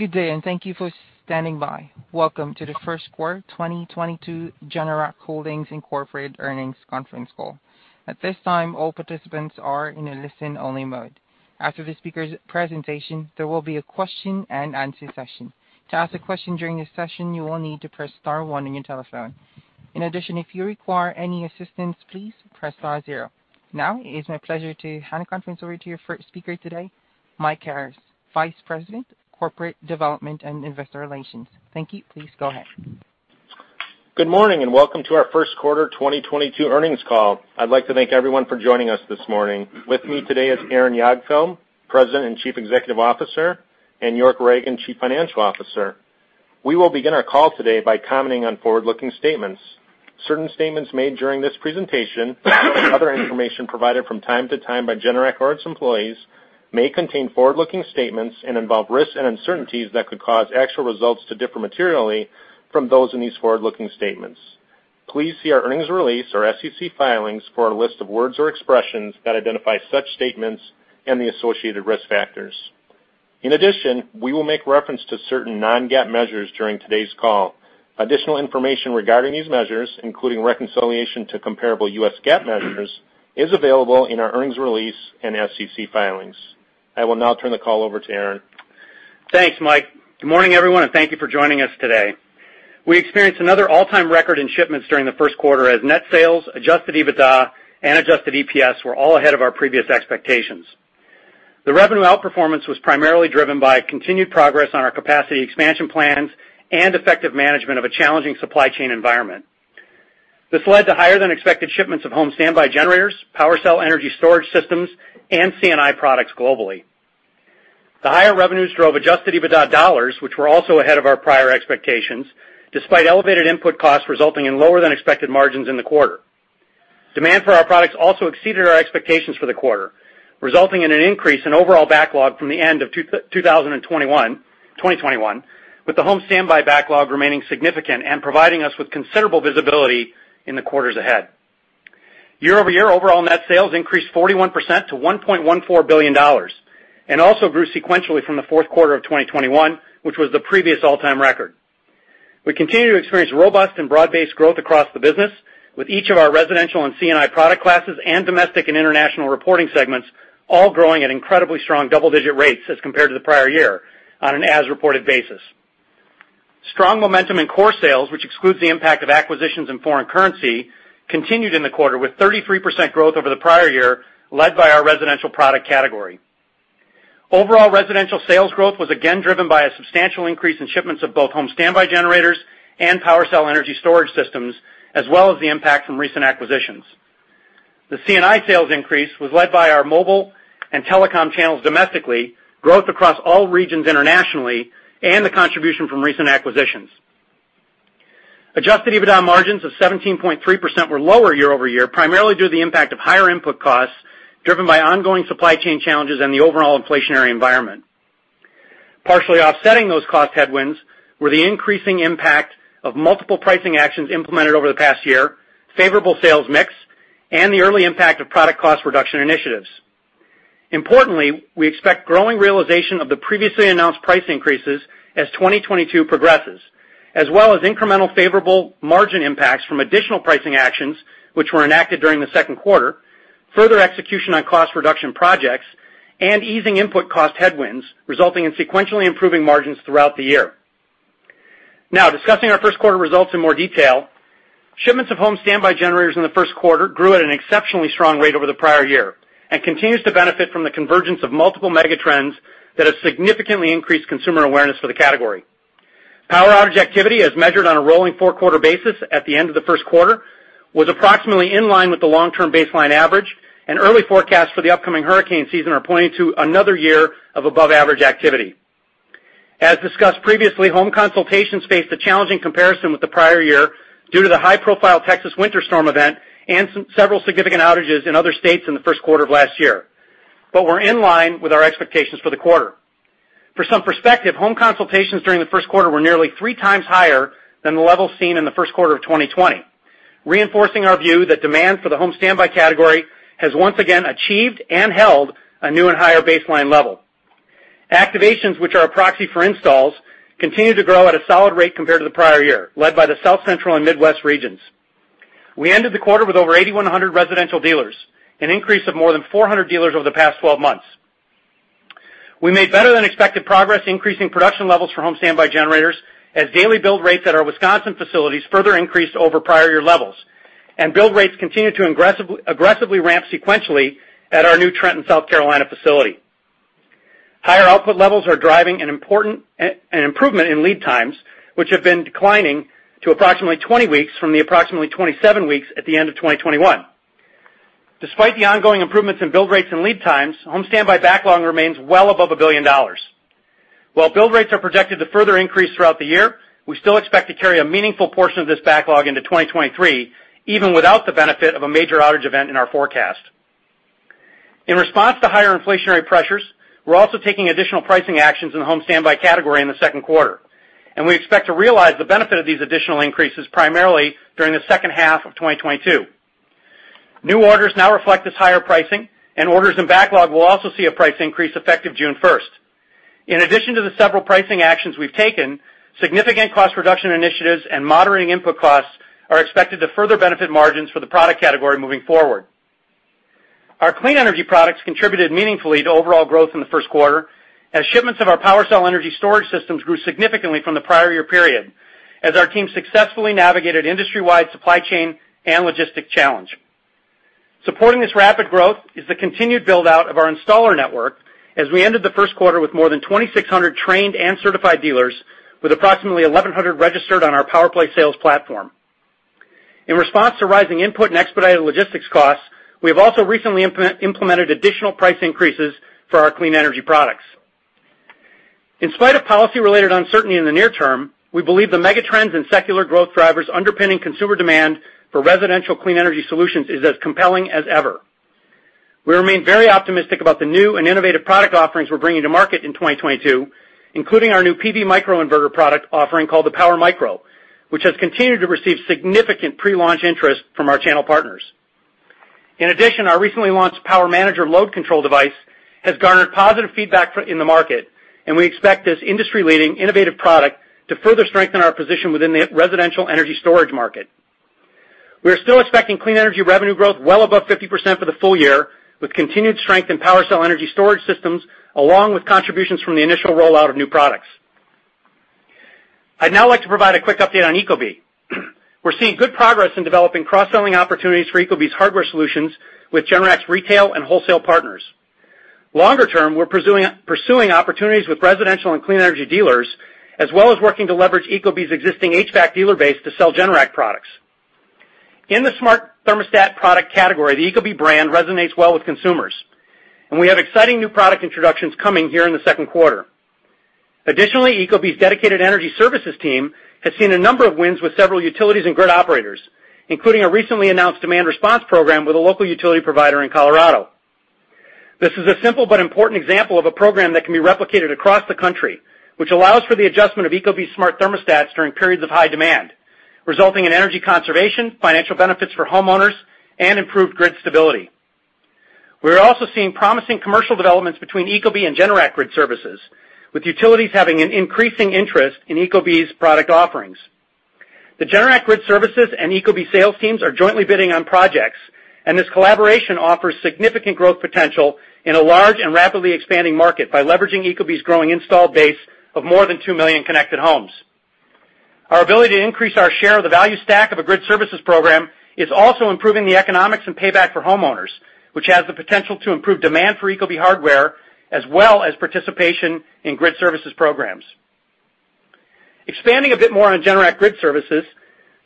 Good day and thank you for standing by. Welcome to the Q1 2022 Generac Holdings Inc. earnings conference call. At this time, all participants are in a listen-only mode. After the speaker's presentation, there will be a question-and-answer session. To ask a question during this session, you will need to press star one on your telephone. In addition, if you require any assistance, please press star zero. Now it is my pleasure to hand the conference over to your first speaker today, Mike Harris, Vice President, Corporate Development and Investor Relations. Thank you. Please go ahead. Good morning, and welcome to our Q1 2022 earnings call. I'd like to thank everyone for joining us this morning. With me today is Aaron Jagdfeld, President and Chief Executive Officer, and York Ragen, Chief Financial Officer. We will begin our call today by commenting on forward-looking statements. Certain statements made during this presentation as well as other information provided from time to time by Generac or its employees may contain forward-looking statements and involve risks and uncertainties that could cause actual results to differ materially from those in these forward-looking statements. Please see our earnings release or SEC filings for a list of words or expressions that identify such statements and the associated risk factors. In addition, we will make reference to certain non-GAAP measures during today's call. Additional information regarding these measures, including reconciliation to comparable U.S. GAAP measures, is available in our earnings release and SEC filings. I will now turn the call over to Aaron. Thanks, Mike. Good morning, everyone, and thank you for joining us today. We experienced another all-time record in shipments during the Q as net sales, adjusted EBITDA, and adjusted EPS were all ahead of our previous expectations. The revenue outperformance was primarily driven by continued progress on our capacity expansion plans and effective management of a challenging supply chain environment. This led to higher-than-expected shipments of home standby generators, PWRcell energy storage systems, and C&I products globally. The higher revenues drove adjusted EBITDA dollars, which were also ahead of our prior expectations, despite elevated input costs resulting in lower-than-expected margins in the quarter. Demand for our products also exceeded our expectations for the quarter, resulting in an increase in overall backlog from the end of 2021, with the home standby backlog remaining significant and providing us with considerable visibility in the quarters ahead. Year-over-year, overall net sales increased 41% to $1.14 billion and also grew sequentially from the Q4 of 2021, which was the previous all-time record. We continue to experience robust and broad-based growth across the business with each of our residential and C&I product classes and domestic and international reporting segments all growing at incredibly strong double-digit rates as compared to the prior year on an as-reported basis. Strong momentum in core sales, which excludes the impact of acquisitions and foreign currency, continued in the quarter with 33% growth over the prior year, led by our residential product category. Overall residential sales growth was again driven by a substantial increase in shipments of both home standby generators and PWRcell energy storage systems as well as the impact from recent acquisitions. The C&I sales increase was led by our mobile and telecom channels domestically, growth across all regions internationally, and the contribution from recent acquisitions. Adjusted EBITDA margins of 17.3% were lower year-over-year, primarily due to the impact of higher input costs driven by ongoing supply chain challenges and the overall inflationary environment. Partially offsetting those cost headwinds were the increasing impact of multiple pricing actions implemented over the past year, favorable sales mix, and the early impact of product cost reduction initiatives. Importantly, we expect growing realization of the previously announced price increases as 2022 progresses as well as incremental favorable margin impacts from additional pricing actions which were enacted during the Q2, further execution on cost reduction projects, and easing input cost headwinds resulting in sequentially improving margins throughout the year. Now discussing our Q1 results in more detail. Shipments of home standby generators in the Q1 grew at an exceptionally strong rate over the prior year and continues to benefit from the convergence of multiple mega trends that have significantly increased consumer awareness for the category. Power outage activity as measured on a rolling four-quarter basis at the end of the Q1 was approximately in line with the long-term baseline average, and early forecasts for the upcoming hurricane season are pointing to another year of above-average activity. As discussed previously, home consultations faced a challenging comparison with the prior year due to the high-profile Texas winter storm event and several significant outages in other states in the Q1 of last year. We're in line with our expectations for the quarter. For some perspective, home consultations during the Q1 were nearly 3x higher than the level seen in the Q1 of 2020, reinforcing our view that demand for the home standby category has once again achieved and held a new and higher baseline level. Activations, which are a proxy for installs, continue to grow at a solid rate compared to the prior year, led by the South Central and Midwest regions. We ended the quarter with over 8,100 residential dealers, an increase of more than 400 dealers over the past 12 months. We made better-than-expected progress in increasing production levels for home standby generators as daily build rates at our Wisconsin facilities further increased over prior year levels, and build rates continued to aggressively ramp sequentially at our new Trenton, South Carolina facility. Higher output levels are driving an improvement in lead times, which have been declining to approximately 20 weeks from approximately 27 weeks at the end of 2021. Despite the ongoing improvements in build rates and lead times, home standby backlog remains well above $1 billion. While build rates are projected to further increase throughout the year, we still expect to carry a meaningful portion of this backlog into 2023, even without the benefit of a major outage event in our forecast. In response to higher inflationary pressures, we're also taking additional pricing actions in the home standby category in the Q2, and we expect to realize the benefit of these additional increases primarily during the second half of 2022. New orders now reflect this higher pricing, and orders in backlog will also see a price increase effective June 1. In addition to the several pricing actions we've taken, significant cost reduction initiatives and moderating input costs are expected to further benefit margins for the product category moving forward. Our clean energy products contributed meaningfully to overall growth in the Q1 as shipments of our PWRcell energy storage systems grew significantly from the prior year period as our team successfully navigated industry-wide supply chain and logistics challenges. Supporting this rapid growth is the continued build-out of our installer network as we ended the Q1 with more than 2,600 trained and certified dealers with approximately 1,100 registered on our PowerPlay sales platform. In response to rising input and expedited logistics costs, we have also recently implemented additional price increases for our clean energy products. In spite of policy-related uncertainty in the near term, we believe the megatrends and secular growth drivers underpinning consumer demand for residential clean energy solutions is as compelling as ever. We remain very optimistic about the new and innovative product offerings we're bringing to market in 2022, including our new PV microinverter product offering called the PWRmicro, which has continued to receive significant pre-launch interest from our channel partners. In addition, our recently launched PWRmanager load control device has garnered positive feedback in the market, and we expect this industry-leading innovative product to further strengthen our position within the residential energy storage market. We are still expecting clean energy revenue growth well above 50% for the full year, with continued strength in PWRcell energy storage systems, along with contributions from the initial rollout of new products. I'd now like to provide a quick update on ecobee. We're seeing good progress in developing cross-selling opportunities for ecobee's hardware solutions with Generac's retail and wholesale partners. Longer term, we're pursuing opportunities with residential and clean energy dealers, as well as working to leverage ecobee's existing HVAC dealer base to sell Generac products. In the smart thermostat product category, the ecobee brand resonates well with consumers, and we have exciting new product introductions coming here in the Q2. Additionally, ecobee's dedicated energy services team has seen a number of wins with several utilities and grid operators, including a recently announced demand response program with a local utility provider in Colorado. This is a simple but important example of a program that can be replicated across the country, which allows for the adjustment of ecobee smart thermostats during periods of high demand, resulting in energy conservation, financial benefits for homeowners, and improved grid stability. We're also seeing promising commercial developments between ecobee and Generac Grid Services, with utilities having an increasing interest in ecobee's product offerings. The Generac Grid Services and ecobee sales teams are jointly bidding on projects, and this collaboration offers significant growth potential in a large and rapidly expanding market by leveraging ecobee's growing installed base of more than 2 million connected homes. Our ability to increase our share of the value stack of a grid services program is also improving the economics and payback for homeowners, which has the potential to improve demand for ecobee hardware, as well as participation in grid services programs. Expanding a bit more on Generac Grid Services,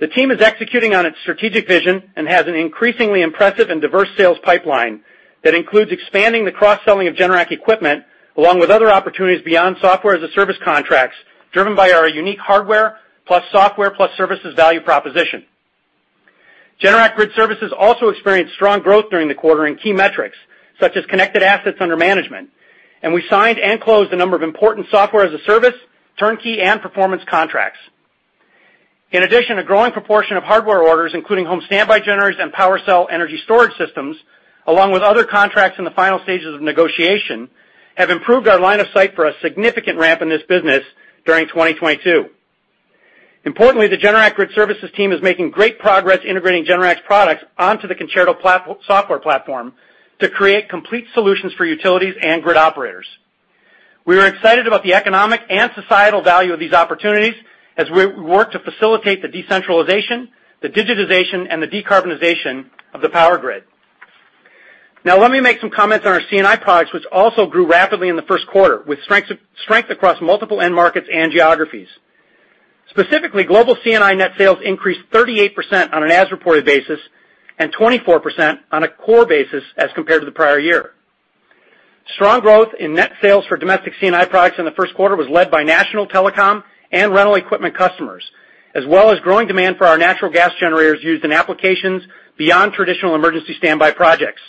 the team is executing on its strategic vision and has an increasingly impressive and diverse sales pipeline that includes expanding the cross-selling of Generac equipment, along with other opportunities beyond software-as-a-service contracts driven by our unique hardware plus software plus services value proposition. Generac Grid Services also experienced strong growth during the quarter in key metrics, such as connected assets under management, and we signed and closed a number of important software-as-a-service, turnkey, and performance contracts. In addition, a growing proportion of hardware orders, including home standby generators and PWRcell energy storage systems, along with other contracts in the final stages of negotiation, have improved our line of sight for a significant ramp in this business during 2022. Importantly, the Generac Grid Services team is making great progress integrating Generac's products onto the Concerto software platform to create complete solutions for utilities and grid operators. We are excited about the economic and societal value of these opportunities as we work to facilitate the decentralization, the digitization, and the decarbonization of the power grid. Now let me make some comments on our C&I products, which also grew rapidly in the Q1, with strength across multiple end markets and geographies. Specifically, global C&I net sales increased 38% on an as-reported basis and 24% on a core basis as compared to the prior year. Strong growth in net sales for domestic C&I products in the Q1 was led by national telecom and rental equipment customers, as well as growing demand for our natural gas generators used in applications beyond traditional emergency standby projects.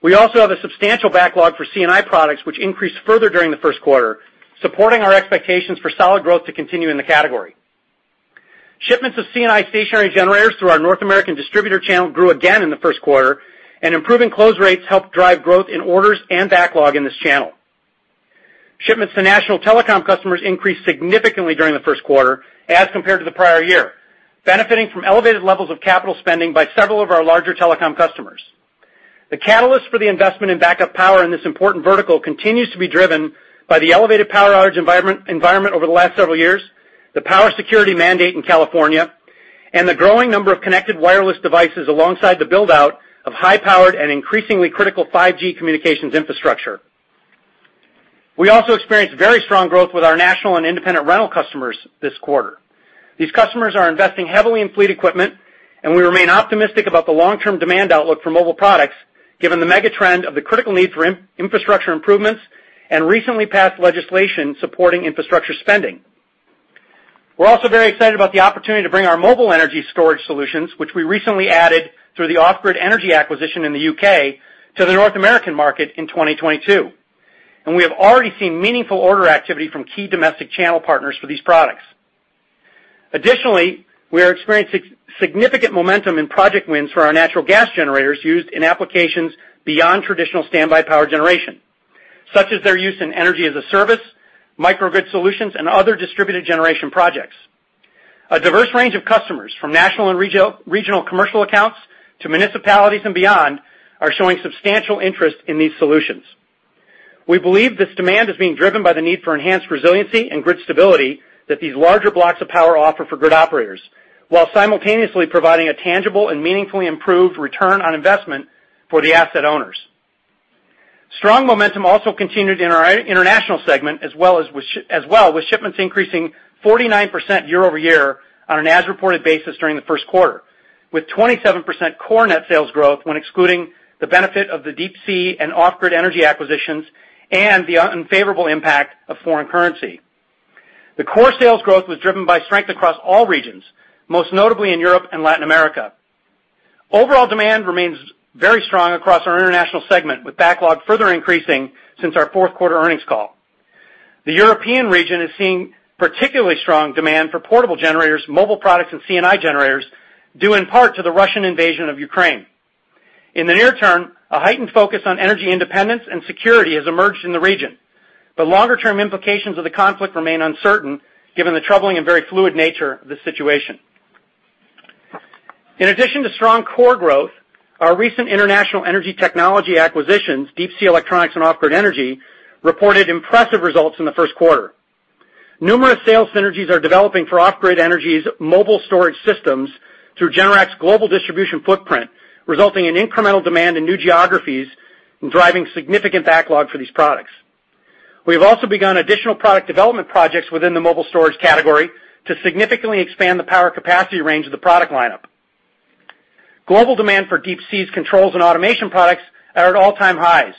We also have a substantial backlog for C&I products which increased further during the Q1, supporting our expectations for solid growth to continue in the category. Shipments of C&I stationary generators through our North American distributor channel grew again in the Q1, and improving close rates helped drive growth in orders and backlog in this channel. Shipments to national telecom customers increased significantly during the Q1 as compared to the prior year, benefiting from elevated levels of capital spending by several of our larger telecom customers. The catalyst for the investment in backup power in this important vertical continues to be driven by the elevated power outage environment over the last several years, the power security mandate in California, and the growing number of connected wireless devices alongside the build-out of high-powered and increasingly critical 5G communications infrastructure. We also experienced very strong growth with our national and independent rental customers this quarter. These customers are investing heavily in fleet equipment, and we remain optimistic about the long-term demand outlook for mobile products, given the megatrend of the critical need for infrastructure improvements and recently passed legislation supporting infrastructure spending. We're also very excited about the opportunity to bring our mobile energy storage solutions, which we recently added through the Off Grid Energy acquisition in the UK, to the North American market in 2022, and we have already seen meaningful order activity from key domestic channel partners for these products. Additionally, we are experiencing significant momentum in project wins for our natural gas generators used in applications beyond traditional standby power generation, such as their use in energy as a service, microgrid solutions, and other distributed generation projects. A diverse range of customers, from national and regional commercial accounts to municipalities and beyond, are showing substantial interest in these solutions. We believe this demand is being driven by the need for enhanced resiliency and grid stability that these larger blocks of power offer for grid operators, while simultaneously providing a tangible and meaningfully improved return on investment for the asset owners. Strong momentum also continued in our international segment, as well, with shipments increasing 49% year-over-year on an as-reported basis during the Q1, with 27% core net sales growth when excluding the benefit of the Deep Sea and Off-Grid Energy acquisitions and the unfavorable impact of foreign currency. The core sales growth was driven by strength across all regions, most notably in Europe and Latin America. Overall demand remains very strong across our international segment, with backlog further increasing since our Q4 earnings call. The European region is seeing particularly strong demand for portable generators, mobile products, and C&I generators, due in part to the Russian invasion of Ukraine. In the near term, a heightened focus on energy independence and security has emerged in the region. The longer-term implications of the conflict remain uncertain given the troubling and very fluid nature of the situation. In addition to strong core growth, our recent international energy technology acquisitions, Deep Sea Electronics and Off Grid Energy, reported impressive results in the Q1. Numerous sales synergies are developing for Off Grid Energy's mobile storage systems through Generac's global distribution footprint, resulting in incremental demand in new geographies and driving significant backlog for these products. We have also begun additional product development projects within the mobile storage category to significantly expand the power capacity range of the product lineup. Global demand for Deep Sea's controls and automation products are at all-time highs,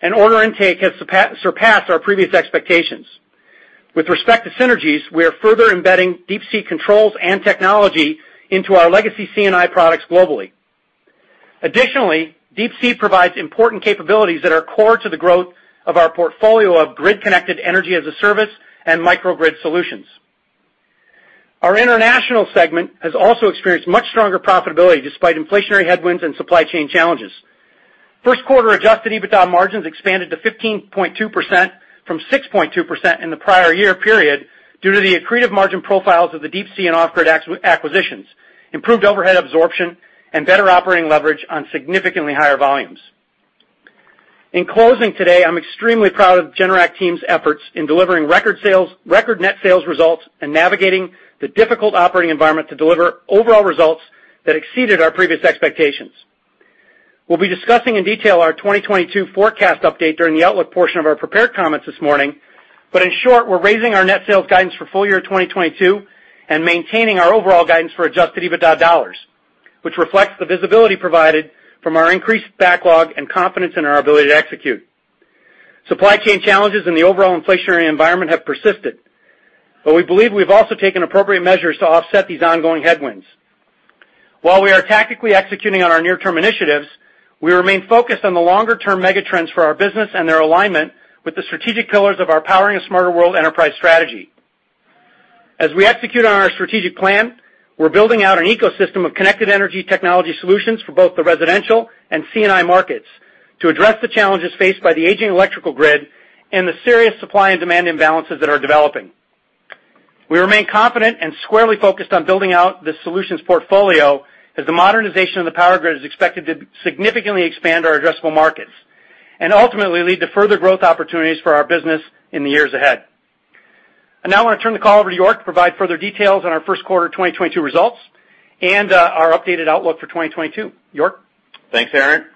and order intake has surpassed our previous expectations. With respect to synergies, we are further embedding Deep Sea controls and technology into our legacy C&I products globally. Additionally, Deep Sea provides important capabilities that are core to the growth of our portfolio of grid-connected energy as a service and microgrid solutions. Our international segment has also experienced much stronger profitability despite inflationary headwinds and supply chain challenges. Q1 adjusted EBITDA margins expanded to 15.2% from 6.2% in the prior year period due to the accretive margin profiles of the Deep Sea and Off-Grid acquisitions, improved overhead absorption, and better operating leverage on significantly higher volumes. In closing today, I'm extremely proud of Generac team's efforts in delivering record sales, record net sales results, and navigating the difficult operating environment to deliver overall results that exceeded our previous expectations. We'll be discussing in detail our 2022 forecast update during the outlook portion of our prepared comments this morning. In short, we're raising our net sales guidance for full-year 2022 and maintaining our overall guidance for adjusted EBITDA dollars, which reflects the visibility provided from our increased backlog and confidence in our ability to execute. Supply chain challenges and the overall inflationary environment have persisted, but we believe we've also taken appropriate measures to offset these ongoing headwinds. While we are tactically executing on our near-term initiatives, we remain focused on the longer-term mega trends for our business and their alignment with the strategic pillars of our Powering a Smarter World enterprise strategy. As we execute on our strategic plan, we're building out an ecosystem of connected energy technology solutions for both the residential and C&I markets to address the challenges faced by the aging electrical grid and the serious supply and demand imbalances that are developing. We remain confident and squarely focused on building out the solutions portfolio as the modernization of the power grid is expected to significantly expand our addressable markets and ultimately lead to further growth opportunities for our business in the years ahead. I now want to turn the call over to York to provide further details on our Q1 2022 results and, our updated outlook for 2022. York? Thanks, Aaron.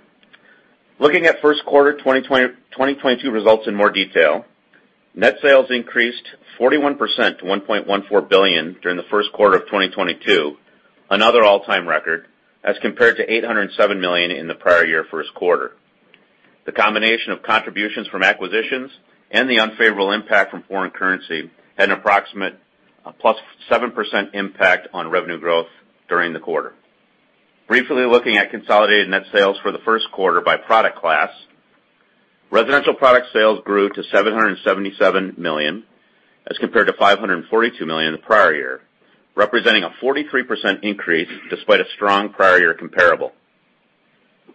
Looking at Q1 2022 results in more detail. Net sales increased 41% to $1.14 billion during the Q1 of 2022, another all-time record, as compared to $807 million in the prior year Q1. The combination of contributions from acquisitions and the unfavorable impact from foreign currency had an approximate +7% impact on revenue growth during the quarter. Briefly looking at consolidated net sales for the Q1 by product class. Residential product sales grew to $777 million, as compared to $542 million the prior year, representing a 43% increase despite a strong prior year comparable.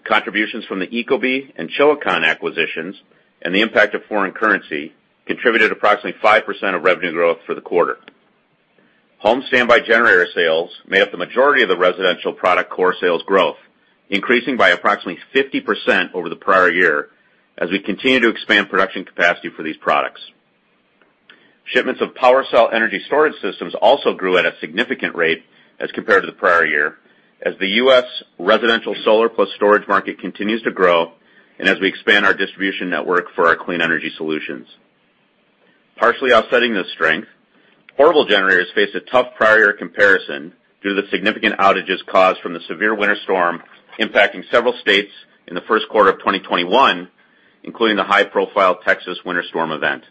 Contributions from the ecobee and Chilicon acquisitions and the impact of foreign currency contributed approximately 5% of revenue growth for the quarter. Home standby generator sales made up the majority of the residential product core sales growth, increasing by approximately 50% over the prior year as we continue to expand production capacity for these products. Shipments of PWRcell energy storage systems also grew at a significant rate as compared to the prior year, as the U.S. residential solar plus storage market continues to grow and as we expand our distribution network for our clean energy solutions. Partially offsetting this strength, portable generators faced a tough prior year comparison due to the significant outages caused from the severe winter storm impacting several states in the Q1 of 2021, including the high-profile Texas winter storm event.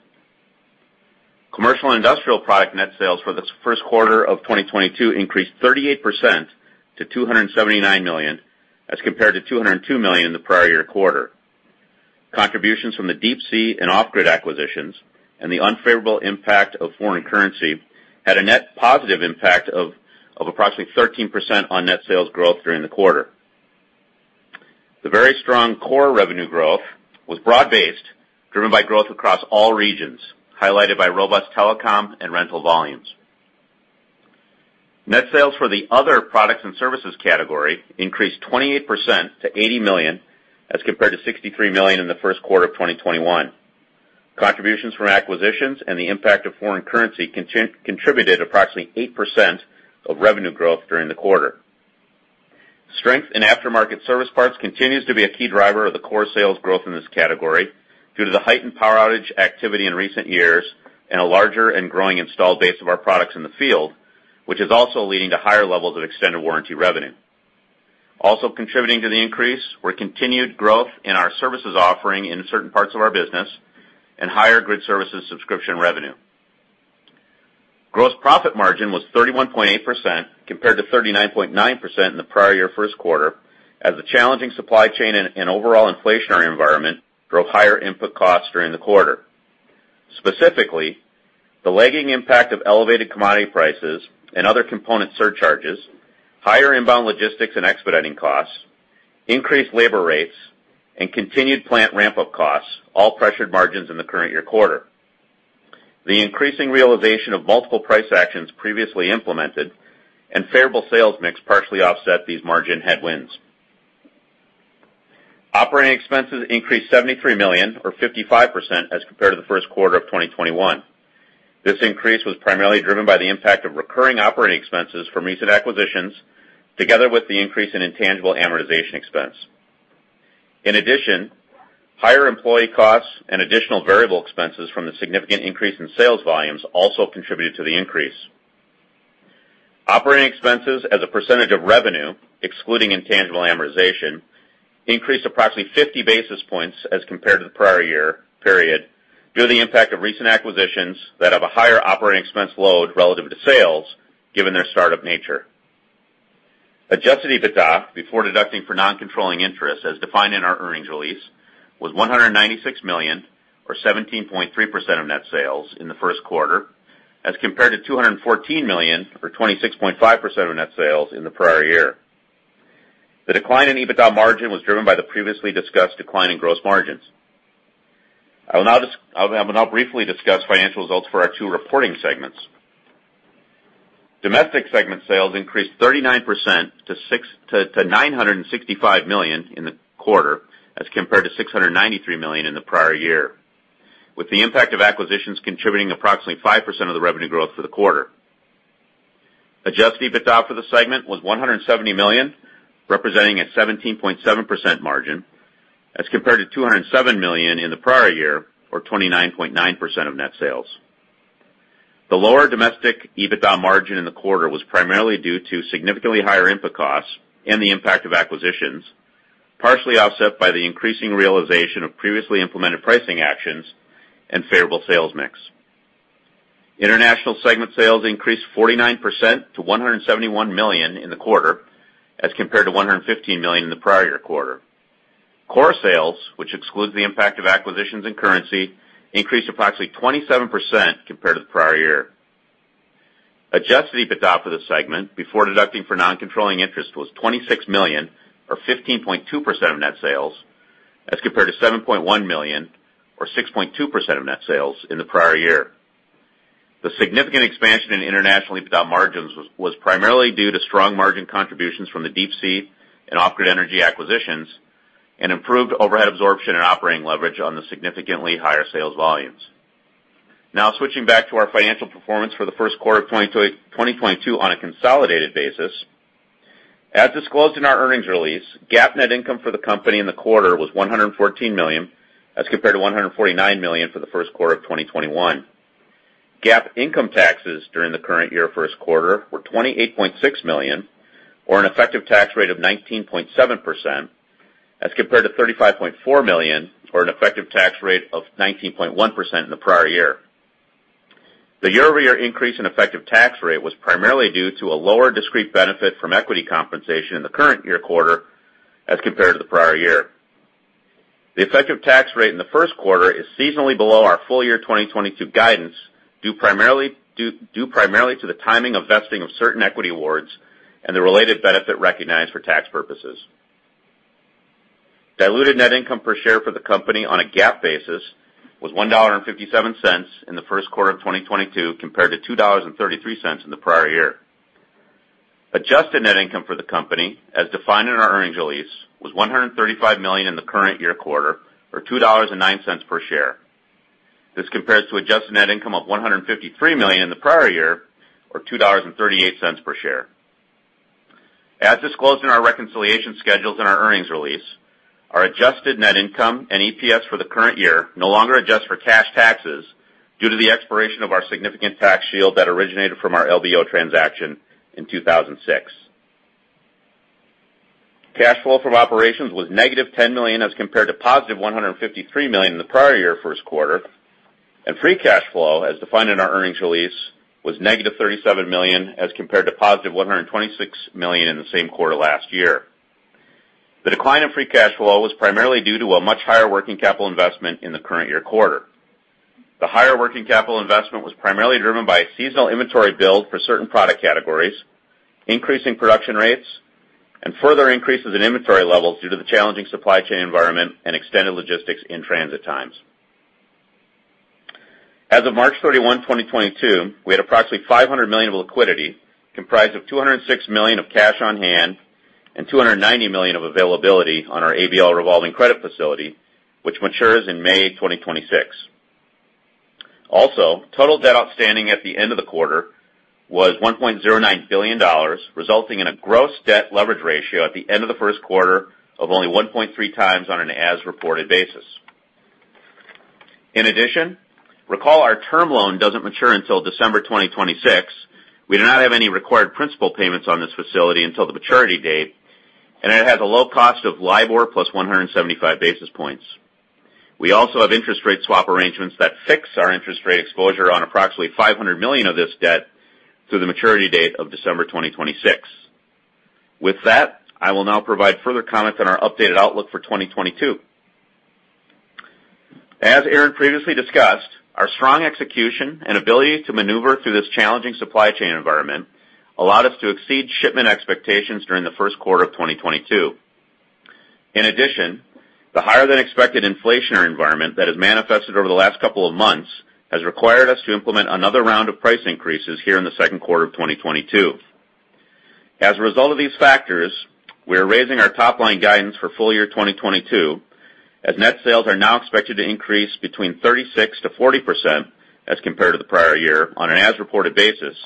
Commercial & Industrial product net sales for the Q1 of 2022 increased 38% to $279 million, as compared to $202 million the prior year quarter. Contributions from the Deep Sea and Off Grid acquisitions and the unfavorable impact of foreign currency had a net positive impact of approximately 13% on net sales growth during the quarter. The very strong core revenue growth was broad-based, driven by growth across all regions, highlighted by robust telecom and rental volumes. Net sales for the other products and services category increased 28% to $80 million, as compared to $63 million in the Q1 of 2021. Contributions from acquisitions and the impact of foreign currency contributed approximately 8% of revenue growth during the quarter. Strength in aftermarket service parts continues to be a key driver of the core sales growth in this category due to the heightened power outage activity in recent years and a larger and growing installed base of our products in the field, which is also leading to higher levels of extended warranty revenue. Also contributing to the increase were continued growth in our services offering in certain parts of our business and higher grid services subscription revenue. Gross profit margin was 31.8% compared to 39.9% in the prior-year Q1, as the challenging supply chain and overall inflationary environment drove higher input costs during the quarter. Specifically, the lagging impact of elevated commodity prices and other component surcharges, higher inbound logistics and expediting costs, increased labor rates, and continued plant ramp-up costs all pressured margins in the current year quarter. The increasing realization of multiple price actions previously implemented and favorable sales mix partially offset these margin headwinds. Operating expenses increased $73 million, or 55%, as compared to the Q1 of 2021. This increase was primarily driven by the impact of recurring operating expenses from recent acquisitions, together with the increase in intangible amortization expense. In addition, higher employee costs and additional variable expenses from the significant increase in sales volumes also contributed to the increase. Operating expenses as a percentage of revenue, excluding intangible amortization, increased approximately 50 basis points as compared to the prior year period due to the impact of recent acquisitions that have a higher operating expense load relative to sales given their start-up nature. Adjusted EBITDA, before deducting for non-controlling interest, as defined in our earnings release, was $196 million, or 17.3% of net sales, in the Q1, as compared to $214 million, or 26.5% of net sales, in the prior year. The decline in EBITDA margin was driven by the previously discussed decline in gross margins. I will now briefly discuss financial results for our two reporting segments. Domestic segment sales increased 39% to $965 million in the quarter, as compared to $693 million in the prior year, with the impact of acquisitions contributing approximately 5% of the revenue growth for the quarter. Adjusted EBITDA for the segment was $170 million, representing a 17.7% margin, as compared to $207 million in the prior year, or 29.9% of net sales. The lower domestic EBITDA margin in the quarter was primarily due to significantly higher input costs and the impact of acquisitions, partially offset by the increasing realization of previously implemented pricing actions and favorable sales mix. International segment sales increased 49% to $171 million in the quarter, as compared to $115 million in the prior year quarter. Core sales, which excludes the impact of acquisitions and currency, increased approximately 27% compared to the prior year. Adjusted EBITDA for the segment before deducting for non-controlling interest was $26 million, or 15.2% of net sales, as compared to $7.1 million, or 6.2% of net sales, in the prior year. The significant expansion in international EBITDA margins was primarily due to strong margin contributions from the Deep Sea and Off Grid Energy acquisitions and improved overhead absorption and operating leverage on the significantly higher sales volumes. Now switching back to our financial performance for the Q1 of 2022 on a consolidated basis. As disclosed in our earnings release, GAAP net income for the company in the quarter was $114 million, as compared to $149 million for the Q1 of 2021. GAAP income taxes during the current year Q1 were $28.6 million, or an effective tax rate of 19.7%, as compared to $35.4 million, or an effective tax rate of 19.1% in the prior year. The year-over-year increase in effective tax rate was primarily due to a lower discrete benefit from equity compensation in the current year quarter as compared to the prior year. The effective tax rate in the Q1 is seasonally below our full-year 2022 guidance, due primarily to the timing of vesting of certain equity awards and the related benefit recognized for tax purposes. Diluted net income per share for the company on a GAAP basis was $1.57 in the Q1 of 2022, compared to $2.33 in the prior year. Adjusted net income for the company, as defined in our earnings release, was $135 million in the current year quarter, or $2.09 per share. This compares to adjusted net income of $153 million in the prior year, or $2.38 per share. As disclosed in our reconciliation schedules in our earnings release, our adjusted net income and EPS for the current year no longer adjust for cash taxes due to the expiration of our significant tax shield that originated from our LBO transaction in 2006. Cash flow from operations was negative $10 million, as compared to positive $153 million in the prior year Q1. Free cash flow, as defined in our earnings release, was negative $37 million as compared to positive $126 million in the same quarter last year. The decline in free cash flow was primarily due to a much higher working capital investment in the current year quarter. The higher working capital investment was primarily driven by a seasonal inventory build for certain product categories, increasing production rates, and further increases in inventory levels due to the challenging supply chain environment and extended logistics in transit times. As of March 31, 2022, we had approximately $500 million of liquidity, comprised of $206 million of cash on hand and $290 million of availability on our ABL revolving credit facility, which matures in May 2026. Also, total debt outstanding at the end of the quarter was $1.09 billion, resulting in a gross debt leverage ratio at the end of the Q1 of only 1.3x on an as-reported basis. In addition, recall our term loan doesn't mature until December 2026. We do not have any required principal payments on this facility until the maturity date, and it has a low cost of LIBOR +175 basis points. We also have interest rate swap arrangements that fix our interest rate exposure on approximately $500 million of this debt through the maturity date of December 2026. With that, I will now provide further comments on our updated outlook for 2022. As Aaron previously discussed, our strong execution and ability to maneuver through this challenging supply chain environment allowed us to exceed shipment expectations during the Q1 of 2022. In addition, the higher-than-expected inflationary environment that has manifested over the last couple of months has required us to implement another round of price increases here in the Q2 of 2022. As a result of these factors, we are raising our top-line guidance for full-year 2022, as net sales are now expected to increase between 36%-40% as compared to the prior year on an as-reported basis,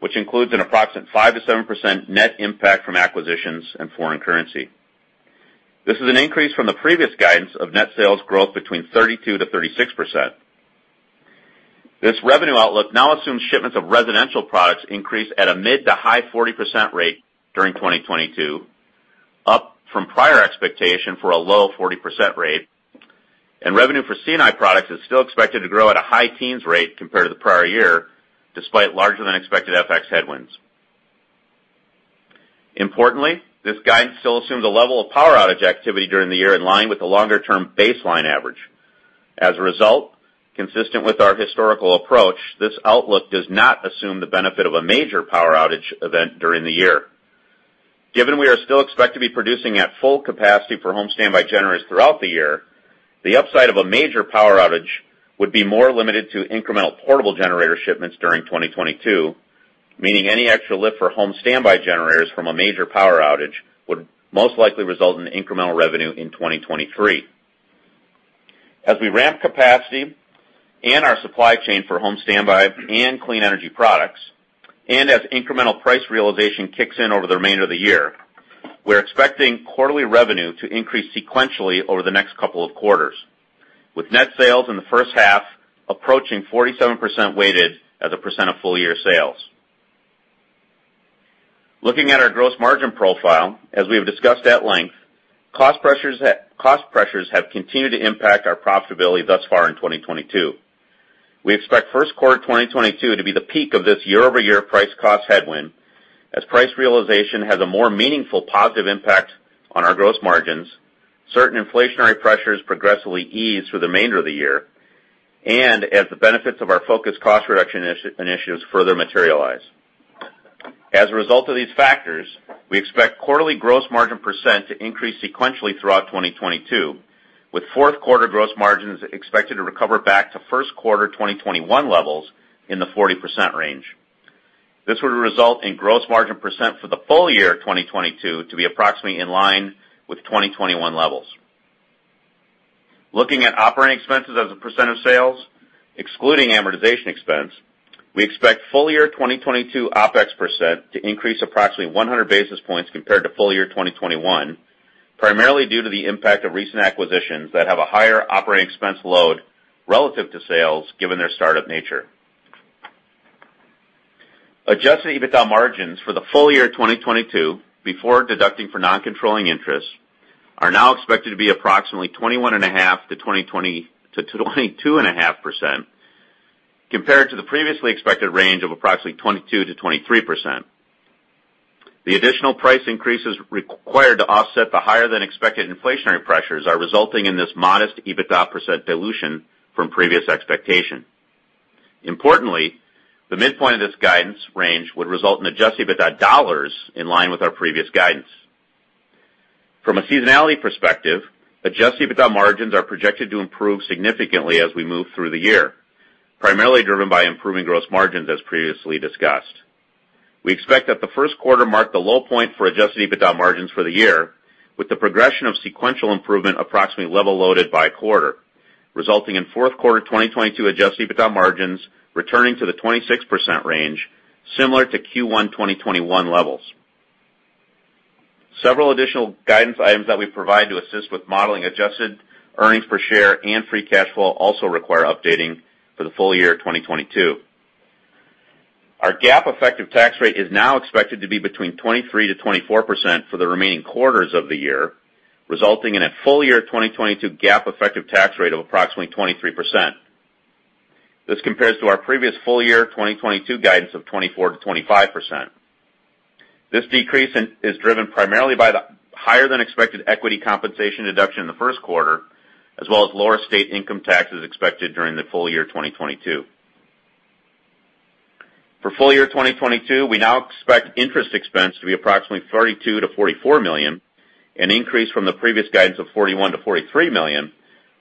which includes an approximate 5%-7% net impact from acquisitions and foreign currency. This is an increase from the previous guidance of net sales growth between 32%-36%. This revenue outlook now assumes shipments of residential products increase at a mid- to high 40% rate during 2022, up from prior expectation for a low 40% rate. Revenue for C&I products is still expected to grow at a high-teens rate compared to the prior year, despite larger-than-expected FX headwinds. Importantly, this guidance still assumes a level of power outage activity during the year in line with the longer-term baseline average. As a result, consistent with our historical approach, this outlook does not assume the benefit of a major power outage event during the year. Given we are still expected to be producing at full capacity for home standby generators throughout the year, the upside of a major power outage would be more limited to incremental portable generator shipments during 2022, meaning any extra lift for home standby generators from a major power outage would most likely result in incremental revenue in 2023. As we ramp capacity and our supply chain for home standby and clean energy products, and as incremental price realization kicks in over the remainder of the year, we're expecting quarterly revenue to increase sequentially over the next couple of quarters, with net sales in the first half approaching 47% weighted as a percent of full-year sales. Looking at our gross margin profile, as we have discussed at length, cost pressures have continued to impact our profitability thus far in 2022. We expect Q1 2022 to be the peak of this year-over-year price cost headwind, as price realization has a more meaningful positive impact on our gross margins, certain inflationary pressures progressively ease through the remainder of the year, and as the benefits of our focused cost reduction initiatives further materialize. As a result of these factors, we expect quarterly gross margin percent to increase sequentially throughout 2022, with Q4 gross margins expected to recover back to Q1 2021 levels in the 40% range. This would result in gross margin percent for the full-year 2022 to be approximately in line with 2021 levels. Looking at operating expenses as a percent of sales, excluding amortization expense, we expect full-year 2022 OpEx percent to increase approximately 100 basis points compared to full-year 2021, primarily due to the impact of recent acquisitions that have a higher operating expense load relative to sales given their startup nature. Adjusted EBITDA margins for the full-year 2022, before deducting for non-controlling interests, are now expected to be approximately 21.5%-22.5%, compared to the previously expected range of approximately 22%-23%. The additional price increases required to offset the higher-than-expected inflationary pressures are resulting in this modest EBITDA percent dilution from previous expectation. Importantly, the midpoint of this guidance range would result in adjusted EBITDA dollars in line with our previous guidance. From a seasonality perspective, adjusted EBITDA margins are projected to improve significantly as we move through the year, primarily driven by improving gross margins as previously discussed. We expect that the Q1 marked the low point for adjusted EBITDA margins for the year, with the progression of sequential improvement approximately level-loaded by quarter, resulting in Q4 2022 adjusted EBITDA margins returning to the 26% range, similar to Q1 2021 levels. Several additional guidance items that we provide to assist with modeling adjusted earnings per share and free cash flow also require updating for the full-year 2022. Our GAAP effective tax rate is now expected to be between 23%-24% for the remaining quarters of the year, resulting in a full-year 2022 GAAP effective tax rate of approximately 23%. This compares to our previous full-year 2022 guidance of 24%-25%. This decrease is driven primarily by the higher-than-expected equity compensation deduction in the Q1, as well as lower state income taxes expected during the full-year 2022. For full-year 2022, we now expect interest expense to be approximately $32 million-$44 million, an increase from the previous guidance of $41 million-$43 million,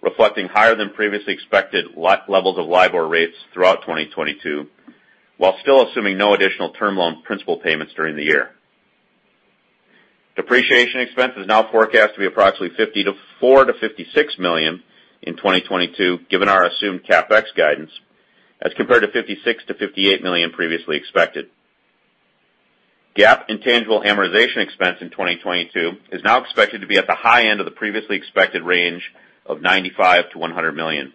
reflecting higher than previously expected levels of LIBOR rates throughout 2022, while still assuming no additional term loan principal payments during the year. Depreciation expense is now forecast to be approximately $54 million-$56 million in 2022, given our assumed CapEx guidance, as compared to $56 million-$58 million previously expected. GAAP intangible amortization expense in 2022 is now expected to be at the high end of the previously expected range of $95 million-$100 million.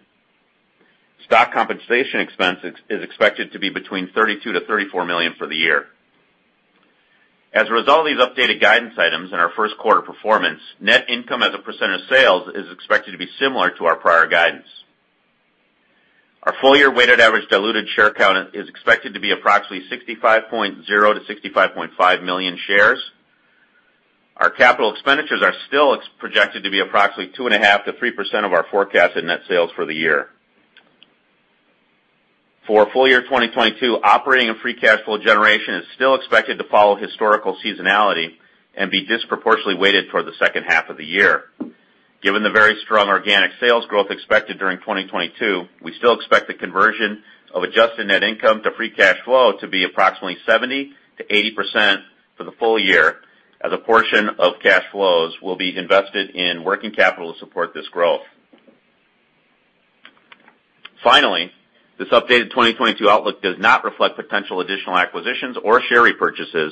Stock compensation expense is expected to be between $32 million-$34 million for the year. As a result of these updated guidance items and our Q1 performance, net income as a percent of sales is expected to be similar to our prior guidance. Our full-year weighted average diluted share count is expected to be approximately 65.0-65.5 million shares. Our capital expenditures are still projected to be approximately 2.5%-3% of our forecasted net sales for the year. For full-year 2022, operating and free cash flow generation is still expected to follow historical seasonality and be disproportionately weighted toward the second half of the year. Given the very strong organic sales growth expected during 2022, we still expect the conversion of adjusted net income to free cash flow to be approximately 70%-80% for the full year, as a portion of cash flows will be invested in working capital to support this growth. Finally, this updated 2022 outlook does not reflect potential additional acquisitions or share repurchases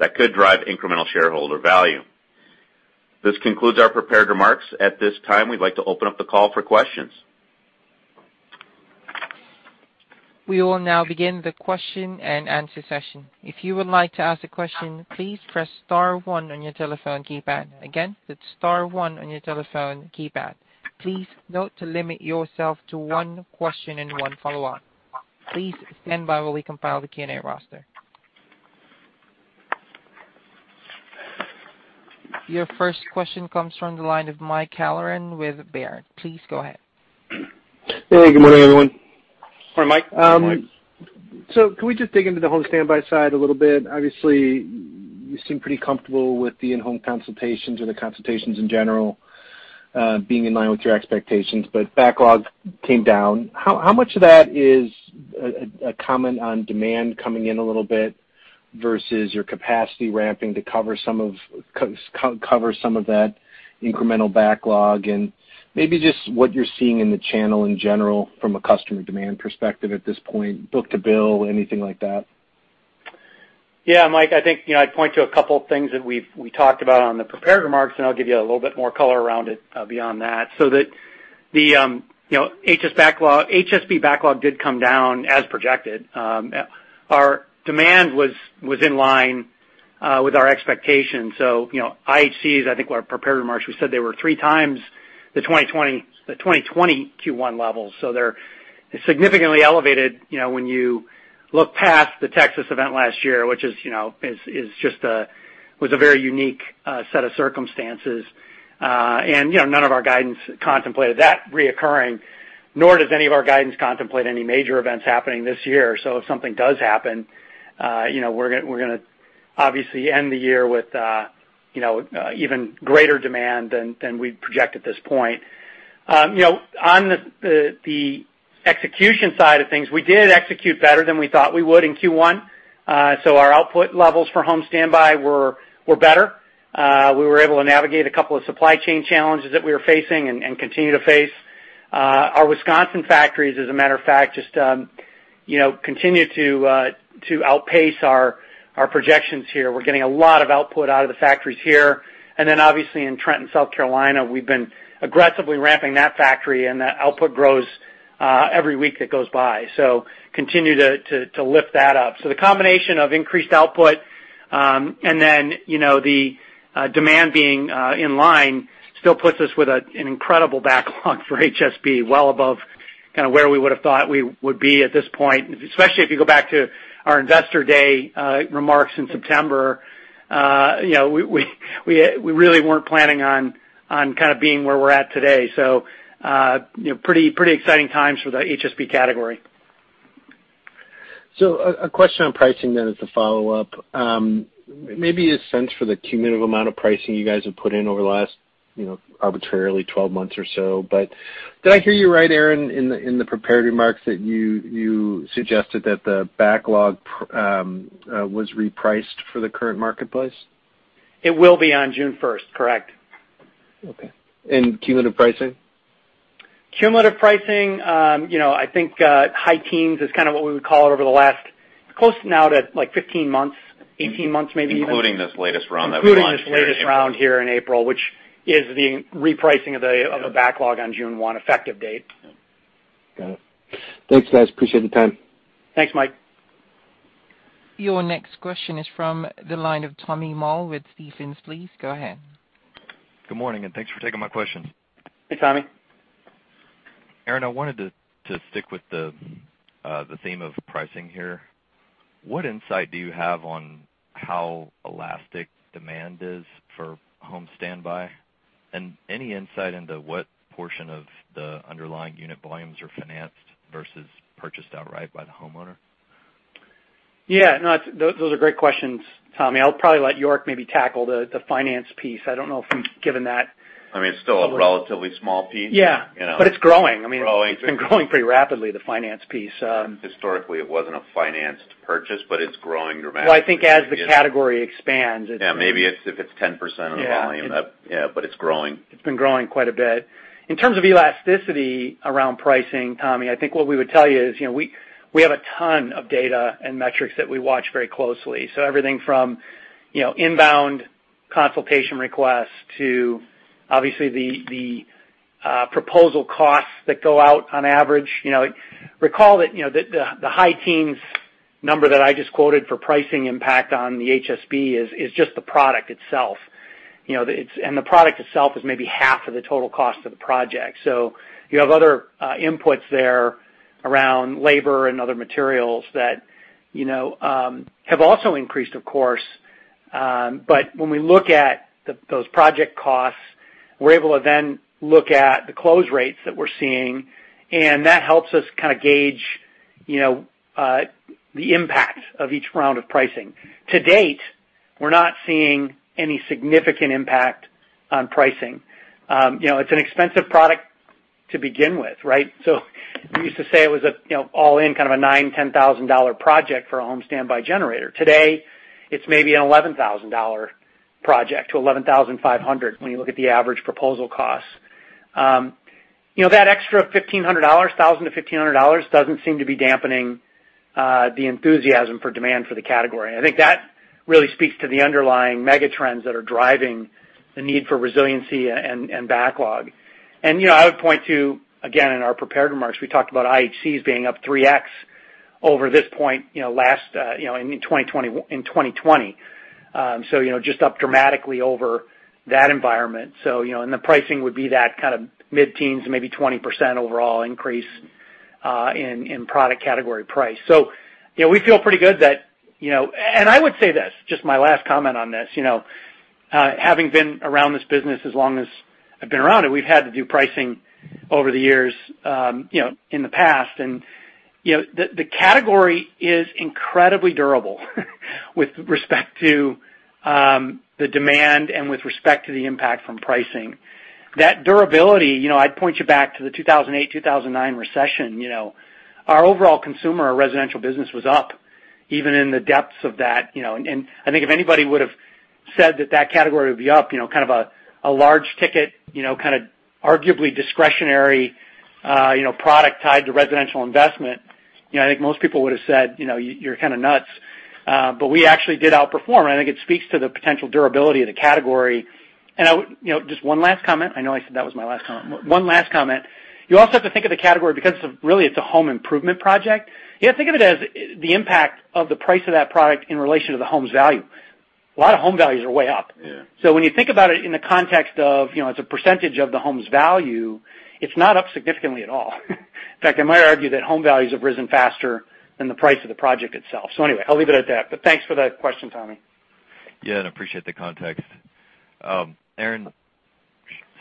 that could drive incremental shareholder value. This concludes our prepared remarks. At this time, we'd like to open up the call for questions. We will now begin the question-and-answer session. If you would like to ask a question, please press star one on your telephone keypad. Again, that's star one on your telephone keypad. Please note to limit yourself to one question and one follow-up. Please stand by while we compile the Q&A roster. Your first question comes from the line of Mike Halloran with Baird. Please go ahead. Hey, good morning, everyone. Good morning, Mike. Can we just dig into the home standby side a little bit? Obviously, you seem pretty comfortable with the in-home consultations or the consultations in general being in line with your expectations, but backlog came down. How much of that is a comment on demand coming in a little bit versus your capacity ramping to cover some of that incremental backlog? And maybe just what you're seeing in the channel in general from a customer demand perspective at this point, book-to-bill, anything like that. Yeah, Mike, I think, you know, I'd point to a couple of things that we talked about on the prepared remarks, and I'll give you a little bit more color around it beyond that. The HSB backlog did come down as projected. Our demand was in line with our expectations. IHC, I think in our prepared remarks. We said they were 3x the 2020 Q1 levels. They're significantly elevated, you know, when you look past the Texas event last year, which was just a very unique set of circumstances. You know, none of our guidance contemplated that recurring, nor does any of our guidance contemplate any major events happening this year. If something does happen, you know, we're gonna obviously end the year with, you know, even greater demand than we project at this point. You know, on the execution side of things, we did execute better than we thought we would in Q1. Our output levels for home standby were better. We were able to navigate a couple of supply chain challenges that we were facing and continue to face. Our Wisconsin factories, as a matter of fact, just, you know, continue to outpace our projections here. We're getting a lot of output out of the factories here. Then obviously in Trenton, South Carolina, we've been aggressively ramping that factory and that output grows every week that goes by. Continue to lift that up. The combination of increased output, and then, you know, the demand being in line still puts us with an incredible backlog for HSB, well above kind of where we would've thought we would be at this point, especially if you go back to our Investor Day remarks in September. You know, we really weren't planning on kind of being where we're at today. You know, pretty exciting times for the HSB category. A question on pricing then as a follow-up. Maybe a sense for the cumulative amount of pricing you guys have put in over the last, you know, arbitrarily 12 months or so. Did I hear you right, Aaron, in the prepared remarks that you suggested that the backlog was repriced for the current marketplace? It will be on June first, correct. Okay. Cumulative pricing? Cumulative pricing, you know, I think, high teens is kind of what we would call it over the last close to, like, 15 months. 18 months, maybe. Including this latest round that we launched here in April. Including this latest round here in April, which is the repricing of the. Yeah. of the backlog on June 1 effective date. Got it. Thanks, guys. Appreciate the time. Thanks, Mike. Your next question is from the line of Tommy Moll with Stephens Inc. Please go ahead. Good morning, and thanks for taking my question. Hey, Tommy. Aaron, I wanted to stick with the theme of pricing here. What insight do you have on how elastic demand is for home standby? And any insight into what portion of the underlying unit volumes are financed versus purchased outright by the homeowner? Yeah, no, it's those are great questions, Tommy. I'll probably let York maybe tackle the finance piece. I don't know if I'm given that. I mean, it's still a relatively small piece. Yeah. You know. It's growing. I mean. Growing. It's been growing pretty rapidly, the finance piece. Historically, it wasn't a financed purchase, but it's growing dramatically. Well, I think as the category expands, it. Yeah, maybe it's, if it's 10% of the volume. Yeah. Yeah, it's growing. It's been growing quite a bit. In terms of elasticity around pricing, Tommy, I think what we would tell you is, you know, we have a ton of data and metrics that we watch very closely. Everything from, you know, inbound consultation requests to obviously the proposal costs that go out on average. You know, recall that, you know, the high teens number that I just quoted for pricing impact on the HSB is just the product itself. You know, it's and the product itself is maybe half of the total cost of the project. You have other inputs there around labor and other materials that, you know, have also increased, of course. When we look at those project costs, we're able to then look at the close rates that we're seeing, and that helps us kind of gauge, you know, the impact of each round of pricing. To date, we're not seeing any significant impact on pricing. You know, it's an expensive product to begin with, right? We used to say it was a, you know, all-in kind of a $9,000-$10,000 project for a home standby generator. Today, it's maybe a $11,000 project to $11,500 when you look at the average proposal costs. You know, that extra $1,000-$1,500 doesn't seem to be dampening the enthusiasm for demand for the category. I think that really speaks to the underlying mega trends that are driving the need for resiliency and backlog. You know, I would point to, again, in our prepared remarks, we talked about IHCs being up 3x over this point, you know, last in 2020. You know, just up dramatically over that environment. You know, and the pricing would be that kind of mid-teens, maybe 20% overall increase in product category price. You know, we feel pretty good that, you know. I would say this, just my last comment on this. You know, having been around this business as long as I've been around it, we've had to do pricing over the years, you know, in the past. You know, the category is incredibly durable with respect to the demand and with respect to the impact from pricing. That durability, you know, I'd point you back to the 2008, 2009 recession. You know, our overall consumer, our residential business was up even in the depths of that, you know. I think if anybody would've said that that category would be up, you know, kind of a large ticket, you know, kind of arguably discretionary, you know, product tied to residential investment, you know, I think most people would've said, you know, you're kind of nuts. But we actually did outperform, and I think it speaks to the potential durability of the category. I would, you know, just one last comment. I know I said that was my last comment. One last comment. You also have to think of the category because it's really a home improvement project. You have to think of it as the impact of the price of that product in relation to the home's value. A lot of home values are way up. Yeah. When you think about it in the context of, you know, it's a percentage of the home's value, it's not up significantly at all. In fact, I might argue that home values have risen faster than the price of the project itself. Anyway, I'll leave it at that, but thanks for that question, Tommy. Yeah, I appreciate the context. Aaron,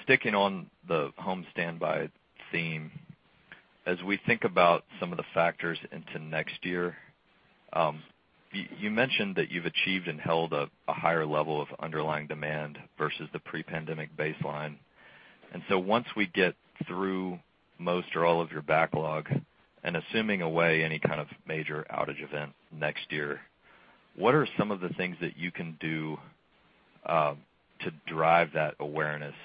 sticking on the home standby theme. As we think about some of the factors into next year, you mentioned that you've achieved and held a higher level of underlying demand versus the pre-pandemic baseline. Once we get through most or all of your backlog, and assuming away any kind of major outage event next year, what are some of the things that you can do to drive that awareness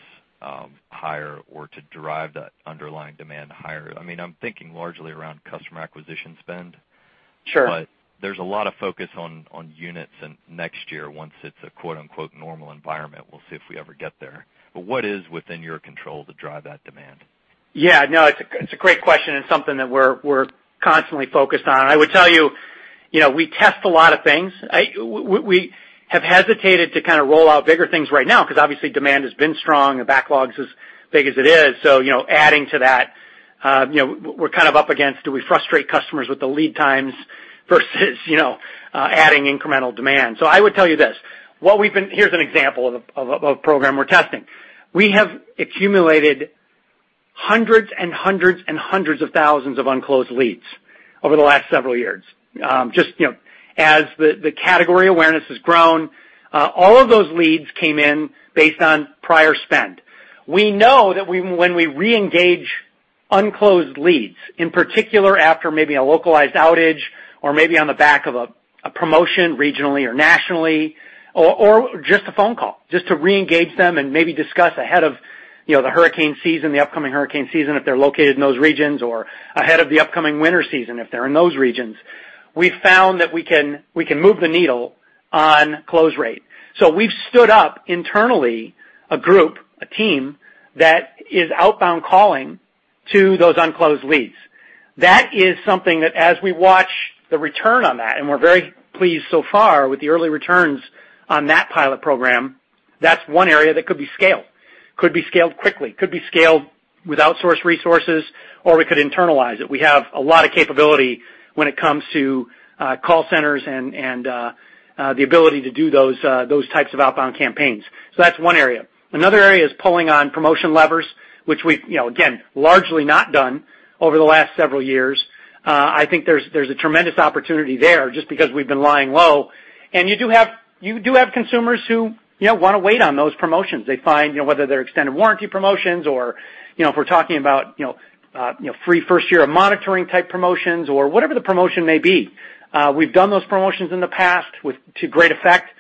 higher or to drive the underlying demand higher? I mean, I'm thinking largely around customer acquisition spend. Sure. There's a lot of focus on units in next year once it's a quote-unquote "normal environment." We'll see if we ever get there. What is within your control to drive that demand? Yeah, no, it's a great question. It's something that we're constantly focused on. I would tell you know, we test a lot of things. We have hesitated to kind of roll out bigger things right now because obviously demand has been strong and backlogs as big as it is. You know, adding to that, you know, we're kind of up against, do we frustrate customers with the lead times versus, you know, adding incremental demand. I would tell you this. Here's an example of a program we're testing. We have accumulated hundreds of thousands of unclosed leads over the last several years. Just, you know, as the category awareness has grown, all of those leads came in based on prior spend. We know that when we reengage unclosed leads, in particular after maybe a localized outage or maybe on the back of a promotion regionally or nationally. Or, or just a phone call just to reengage them and maybe discuss ahead of, you know, the hurricane season, the upcoming hurricane season, if they're located in those regions or ahead of the upcoming winter season, if they're in those regions. We found that we can move the needle on close rate. We've stood up internally a group, a team that is outbound calling to those unclosed leads. That is something that as we watch the return on that, and we're very pleased so far with the early returns on that pilot program, that's one area that could be scaled, could be scaled quickly, could be scaled with outsourced resources, or we could internalize it. We have a lot of capability when it comes to call centers and the ability to do those types of outbound campaigns. So that's one area. Another area is pulling on promotion levers, which we've, you know, again, largely not done over the last several years. I think there's a tremendous opportunity there just because we've been lying low. You do have consumers who, you know, want to wait on those promotions. They find, you know, whether they're extended warranty promotions or, you know, if we're talking about, you know, free first year of monitoring type promotions or whatever the promotion may be. We've done those promotions in the past to great effect.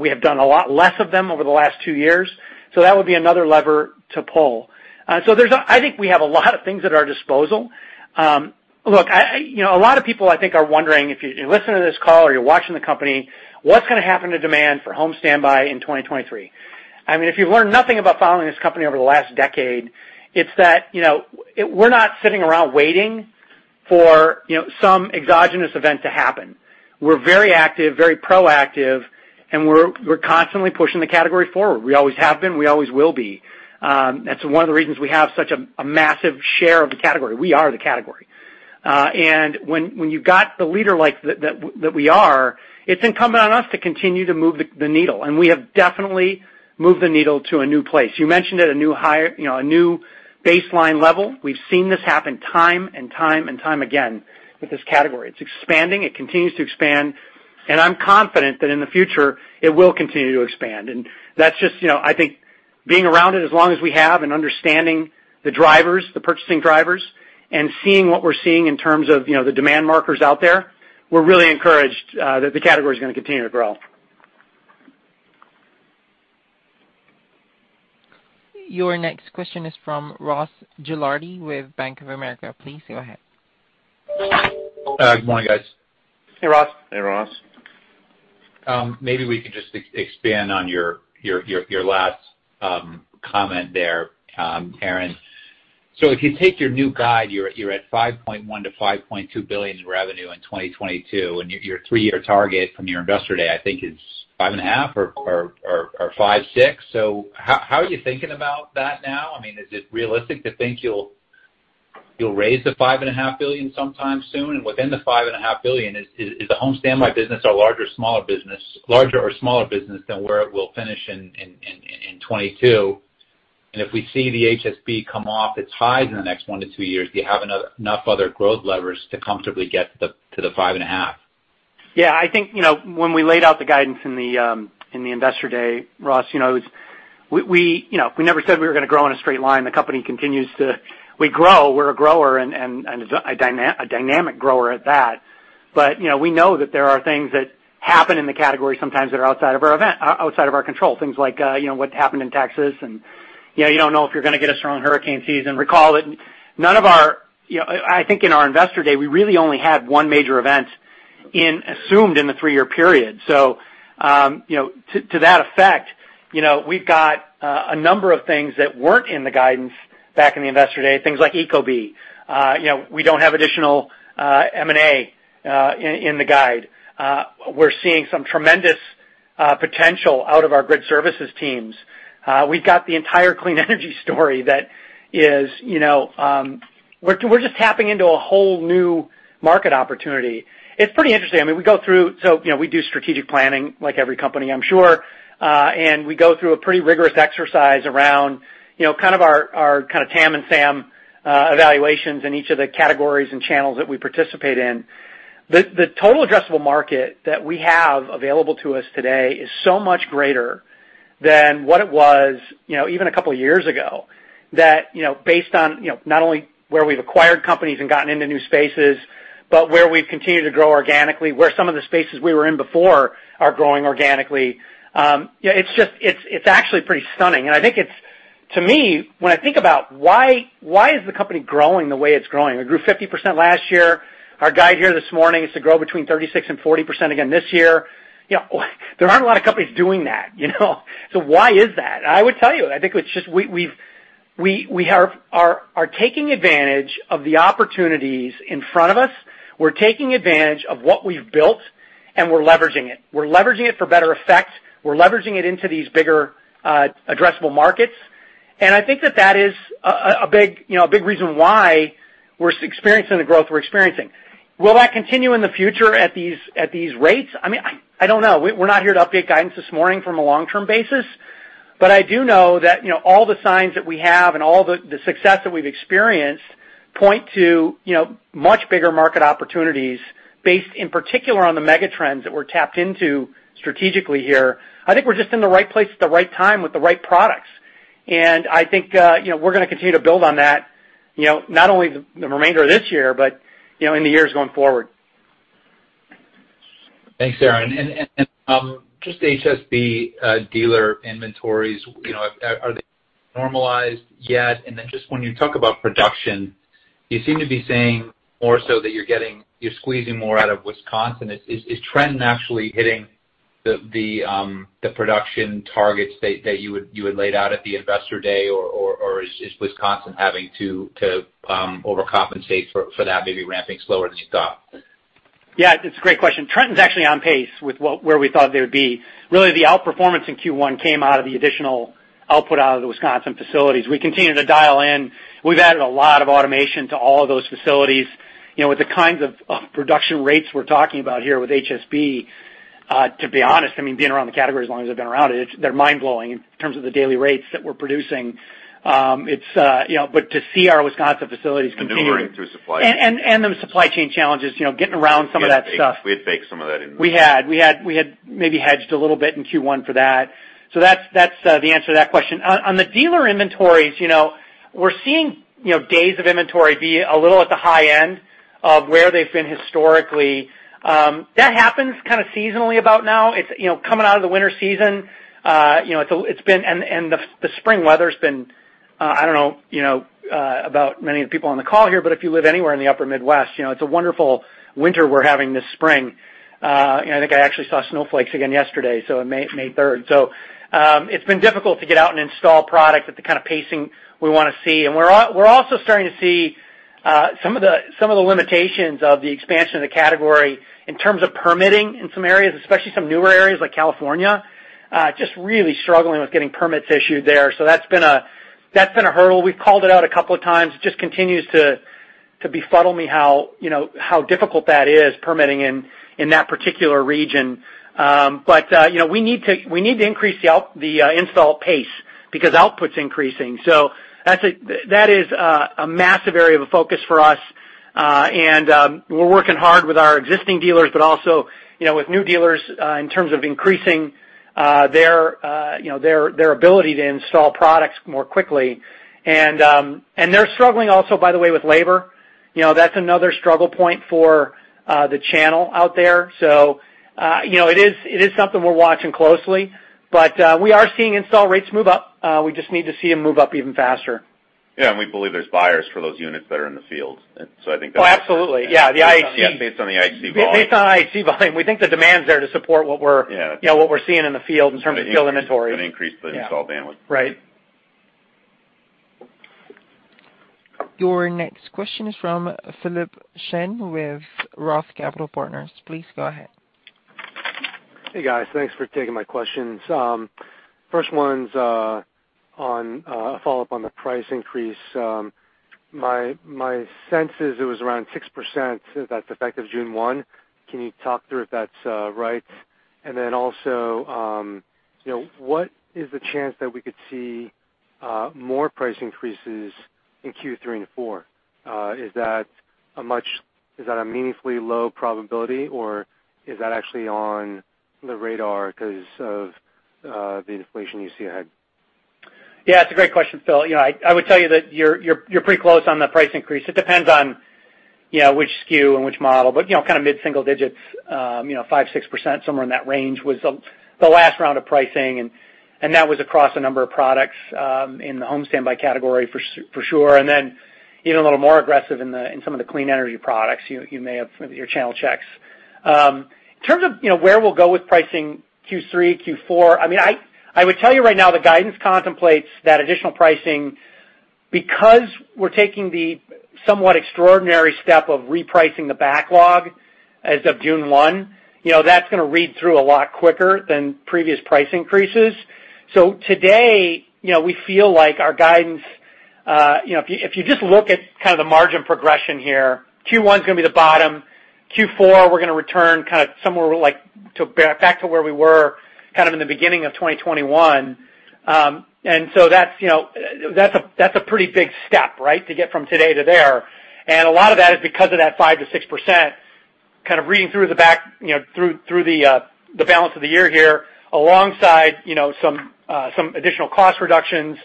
We have done a lot less of them over the last two years. That would be another lever to pull. I think we have a lot of things at our disposal. Look, you know, a lot of people I think are wondering if you listen to this call or you're watching the company, what's going to happen to demand for home standby in 2023? I mean, if you've learned nothing about following this company over the last decade, it's that, you know, we're not sitting around waiting for, you know, some exogenous event to happen. We're very active, very proactive, and we're constantly pushing the category forward. We always have been, we always will be. That's one of the reasons we have such a massive share of the category. We are the category. When you've got the leader like that we are, it's incumbent on us to continue to move the needle, and we have definitely moved the needle to a new place. You mentioned at a new higher, you know, a new baseline level. We've seen this happen time and time again with this category. It's expanding. It continues to expand, and I'm confident that in the future, it will continue to expand. That's just, you know, I think being around it as long as we have and understanding the drivers, the purchasing drivers, and seeing what we're seeing in terms of, you know, the demand markers out there, we're really encouraged that the category is gonna continue to grow. Your next question is from Ross Gilardi with Bank of America. Please go ahead. Good morning, guys. Hey, Ross. Hey, Ross. Maybe we could just expand on your last comment there, Aaron. If you take your new guidance, you're at $5.1 billion-$5.2 billion in revenue in 2022, and your three-year target from your Investor Day, I think is $5.5 billion or $5.6 billion. How are you thinking about that now? I mean, is it realistic to think you'll raise the $5.5 billion sometime soon? And within the $5.5 billion, is the home standby business a larger or smaller business than where it will finish in 2022? If we see the HSB come off its highs in the next one to three years, do you have enough other growth levers to comfortably get to the five and a half? I think, you know, when we laid out the guidance in the Investor Day, Ross, you know, we never said we were going to grow in a straight line. The company continues to grow. We're a grower and a dynamic grower at that. We know that there are things that happen in the category sometimes that are outside of our control, things like, you know, what happened in Texas and, you know, you don't know if you're going to get a strong hurricane season. Recall that none of our, you know, I think in our Investor Day, we really only had one major event assumed in the three-year period. You know, to that effect, you know, we've got a number of things that weren't in the guidance back in the Investor Day, things like ecobee. You know, we don't have additional M&A in the guide. We're seeing some tremendous potential out of our grid services teams. We've got the entire clean energy story that is, we're just tapping into a whole new market opportunity. It's pretty interesting. I mean, you know, we do strategic planning like every company, I'm sure, and we go through a pretty rigorous exercise around, you know, kind of our kind of TAM and SAM evaluations in each of the categories and channels that we participate in. The total addressable market that we have available to us today is so much greater than what it was, you know, even a couple of years ago, that, you know, based on, you know, not only where we've acquired companies and gotten into new spaces, but where we've continued to grow organically, where some of the spaces we were in before are growing organically. You know, it's just, it's actually pretty stunning. I think it's, to me, when I think about why is the company growing the way it's growing? We grew 50% last year. Our guide here this morning is to grow between 36% and 40% again this year. You know, there aren't a lot of companies doing that, you know? Why is that? I would tell you, I think it's just we are taking advantage of the opportunities in front of us. We're taking advantage of what we've built, and we're leveraging it. We're leveraging it for better effect. We're leveraging it into these bigger addressable markets. I think that is a big, you know, a big reason why we're experiencing the growth we're experiencing. Will that continue in the future at these rates? I mean, I don't know. We're not here to update guidance this morning from a long-term basis. I do know that, you know, all the signs that we have and all the success that we've experienced point to, you know, much bigger market opportunities based in particular on the mega trends that we're tapped into strategically here. I think we're just in the right place at the right time with the right products. I think, you know, we're going to continue to build on that, you know, not only the remainder of this year but, you know, in the years going forward. Thanks, Aaron. Just HSB dealer inventories, you know, are they normalized yet? Just when you talk about production, you seem to be saying more so that you're squeezing more out of Wisconsin. Is trend naturally hitting the production targets that you had laid out at the Investor Day, or is Wisconsin having to overcompensate for that maybe ramping slower than you thought? Yeah, it's a great question. Trenton's actually on pace with where we thought they would be. Really, the outperformance in Q1 came out of the additional output out of the Wisconsin facilities. We continue to dial in. We've added a lot of automation to all of those facilities. You know, with the kinds of production rates we're talking about here with HSB, to be honest, I mean, being around the category as long as I've been around it, they're mind-blowing in terms of the daily rates that we're producing. It's, you know, but to see our Wisconsin facilities continuing. working through supply chain. The supply chain challenges, you know, getting around some of that stuff. We had baked some of that in. We had maybe hedged a little bit in Q1 for that. That's the answer to that question. On the dealer inventories, you know, we're seeing, you know, days of inventory be a little at the high end of where they've been historically. That happens kind of seasonally about now. It's, you know, coming out of the winter season, you know, it's been, and the spring weather's been, I don't know, you know, about many of the people on the call here, but if you live anywhere in the upper Midwest, you know, it's a wonderful winter we're having this spring. And I think I actually saw snowflakes again yesterday, so on May third. It's been difficult to get out and install product at the kind of pacing we want to see. We're also starting to see some of the limitations of the expansion of the category in terms of permitting in some areas, especially some newer areas like California, just really struggling with getting permits issued there. That's been a hurdle. We've called it out a couple of times. It just continues to befuddle me how, you know, how difficult that is, permitting in that particular region. You know, we need to increase the install pace because output's increasing. That is a massive area of focus for us. We're working hard with our existing dealers, but also, you know, with new dealers in terms of increasing their ability to install products more quickly. They're struggling also, by the way, with labor. You know, that's another struggle point for the channel out there. You know, it is something we're watching closely, but we are seeing install rates move up. We just need to see them move up even faster. Yeah, we believe there's buyers for those units that are in the field. I think that. Oh, absolutely. Yeah. Yeah, based on the C&I volume. Based on C&I volume. We think the demand's there to support what we're. Yeah. You know, what we're seeing in the field in terms of field inventory. Gonna increase the install bandwidth. Yeah. Right. Your next question is from Philip Shen with Roth Capital Partners. Please go ahead. Hey, guys. Thanks for taking my questions. First one is on a follow-up on the price increase. My sense is it was around 6%. Is that effective June 1? Can you talk through if that's right? And then also, you know, what is the chance that we could see more price increases in Q3 and Q4? Is that a meaningfully low probability, or is that actually on the radar because of the inflation you see ahead? Yeah, it's a great question, Phil. You know, I would tell you that you're pretty close on the price increase. It depends on, you know, which SKU and which model. You know, kind of mid-single digits, you know, 5%-6%, somewhere in that range, was the last round of pricing, and that was across a number of products in the home standby category for sure. Then, even a little more aggressive in some of the clean energy products you may have from your channel checks. In terms of, you know, where we'll go with pricing Q3, Q4, I mean, I would tell you right now the guidance contemplates that additional pricing. Because we're taking the somewhat extraordinary step of repricing the backlog as of June 1, you know, that's going to read through a lot quicker than previous price increases. Today, you know, we feel like our guidance, you know, if you just look at kind of the margin progression here, Q1's going to be the bottom. Q4, we're going to return kind of somewhere like back to where we were kind of in the beginning of 2021. That's, you know, that's a pretty big step, right, to get from today to there. A lot of that is because of that 5%-6% kind of reading through the back, you know, through the balance of the year here, alongside, you know, some additional cost reductions,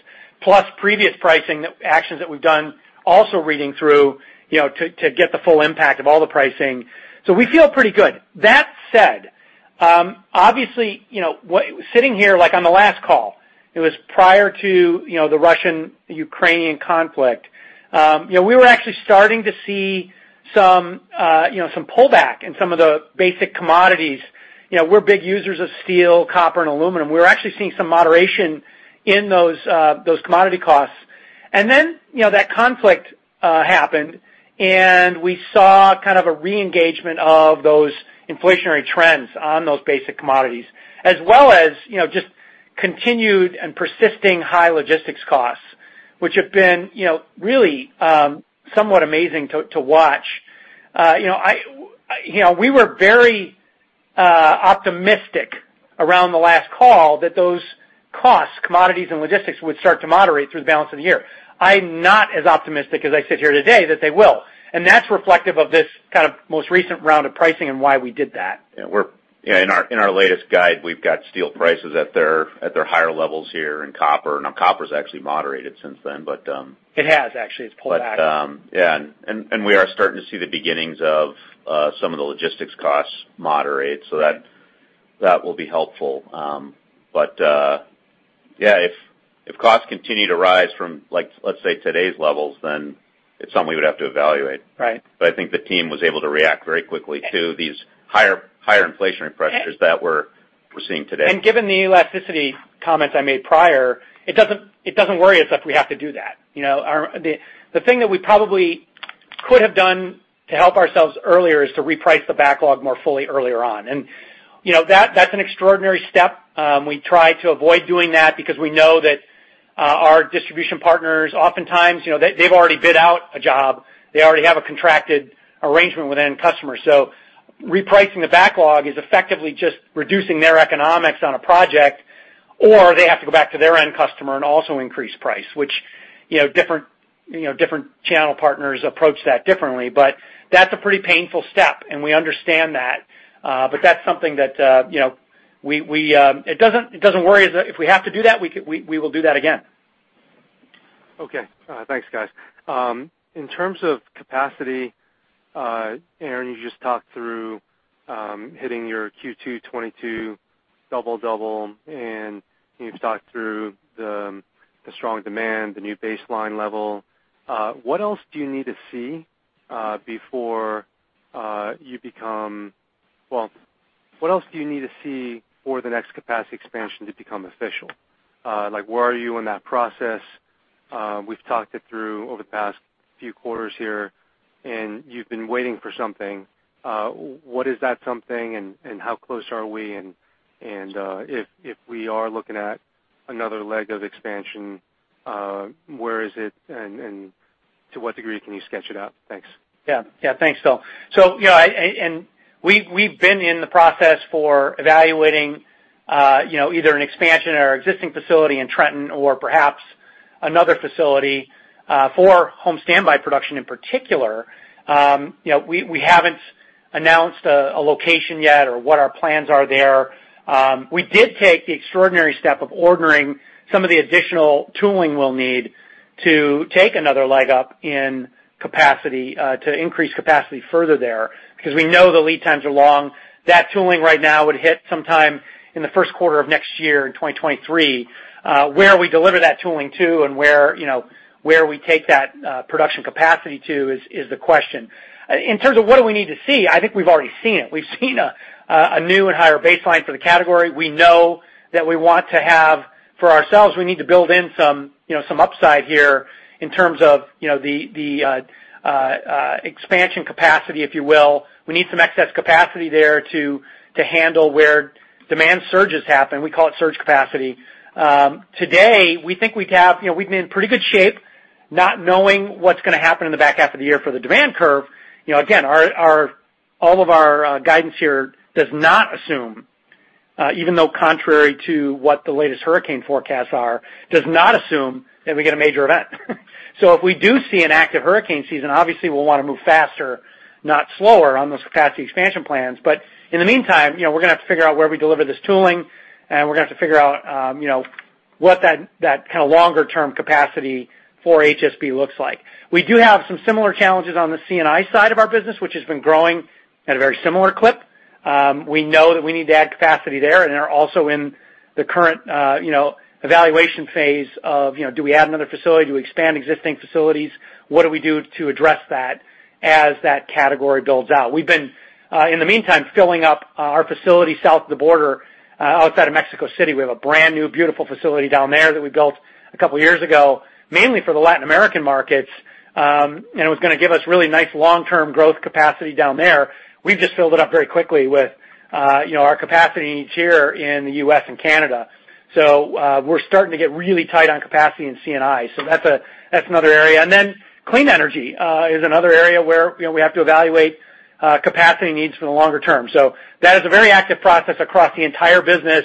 plus previous pricing actions that we've done also reading through, you know, to get the full impact of all the pricing. We feel pretty good. That said, obviously, you know, sitting here, like on the last call, it was prior to, you know, the Russian Ukrainian conflict, you know, we were actually starting to see some, you know, some pullback in some of the basic commodities. You know, we're big users of steel, copper, and aluminum. We were actually seeing some moderation in those commodity costs. You know, that conflict happened, and we saw kind of a re-engagement of those inflationary trends on those basic commodities, as well as, you know, just continued and persisting high logistics costs, which have been, you know, really, somewhat amazing to watch. You know, we were very optimistic around the last call that those costs, commodities and logistics, would start to moderate through the balance of the year. I'm not as optimistic as I sit here today that they will, and that's reflective of this kind of most recent round of pricing and why we did that. In our latest guide, we've got steel prices at their higher levels here and copper. Now copper's actually moderated since then, but. It has actually. It's pulled back. Yeah. We are starting to see the beginnings of some of the logistics costs moderate. That will be helpful. Yeah, if costs continue to rise from like, let's say, today's levels, then it's something we would have to evaluate. Right. I think the team was able to react very quickly to these higher inflationary pressures that we're seeing today. Given the elasticity comments I made prior, it doesn't worry us if we have to do that, you know? The thing that we probably could have done to help ourselves earlier is to reprice the backlog more fully earlier on. You know, that's an extraordinary step. We try to avoid doing that because we know that our distribution partners, oftentimes, you know, they've already bid out a job. They already have a contracted arrangement with end customers. Repricing the backlog is effectively just reducing their economics on a project, or they have to go back to their end customer and also increase price, which, you know, different channel partners approach that differently. That's a pretty painful step, and we understand that. That's something that, you know, it doesn't worry us. If we have to do that, we will do that again. Okay. Thanks, guys. In terms of capacity, Aaron, you just talked through hitting your Q2 2022 double-double, and you've talked through the strong demand, the new baseline level. What else do you need to see for the next capacity expansion to become official? Like, where are you in that process? We've talked it through over the past few quarters here, and you've been waiting for something. What is that something, and if we are looking at another leg of expansion, where is it, and to what degree can you sketch it out? Thanks. Yeah. Thanks, Philip. You know, and we've been in the process of evaluating, you know, either an expansion at our existing facility in Trenton or perhaps another facility for home standby production in particular. You know, we haven't announced a location yet or what our plans are there. We did take the extraordinary step of ordering some of the additional tooling we'll need to take another leg up in capacity to increase capacity further there because we know the lead times are long. That tooling right now would hit sometime in the Q1 of next year in 2023. Where we deliver that tooling to and where, you know, where we take that production capacity to is the question. In terms of what do we need to see, I think we've already seen it. We've seen a new and higher baseline for the category. For ourselves, we need to build in some upside here in terms of the expansion capacity, if you will. We need some excess capacity there to handle where demand surges happen. We call it surge capacity. Today, we think we'd be in pretty good shape not knowing what's gonna happen in the back half of the year for the demand curve. Again, all of our guidance here does not assume, even though contrary to what the latest hurricane forecasts are, does not assume that we get a major event. If we do see an active hurricane season, obviously we'll wanna move faster, not slower on those capacity expansion plans. In the meantime, you know, we're going to have to figure out where we deliver this tooling, and we're going to have to figure out, you know, what that kind of longer-term capacity for HSB looks like. We do have some similar challenges on the C&I side of our business, which has been growing at a very similar clip. We know that we need to add capacity there and are also in the current evaluation phase of, you know, do we add another facility? Do we expand existing facilities? What do we do to address that as that category builds out? We've been in the meantime filling up our facility south of the border outside of Mexico City. We have a brand-new beautiful facility down there that we built a couple years ago, mainly for the Latin American markets, and it was going to give us really nice long-term growth capacity down there. We've just filled it up very quickly with, you know, our capacity needs here in the U.S. and Canada. We're starting to get really tight on capacity in C&I. That's another area. Clean energy is another area where, you know, we have to evaluate capacity needs for the longer term. That is a very active process across the entire business.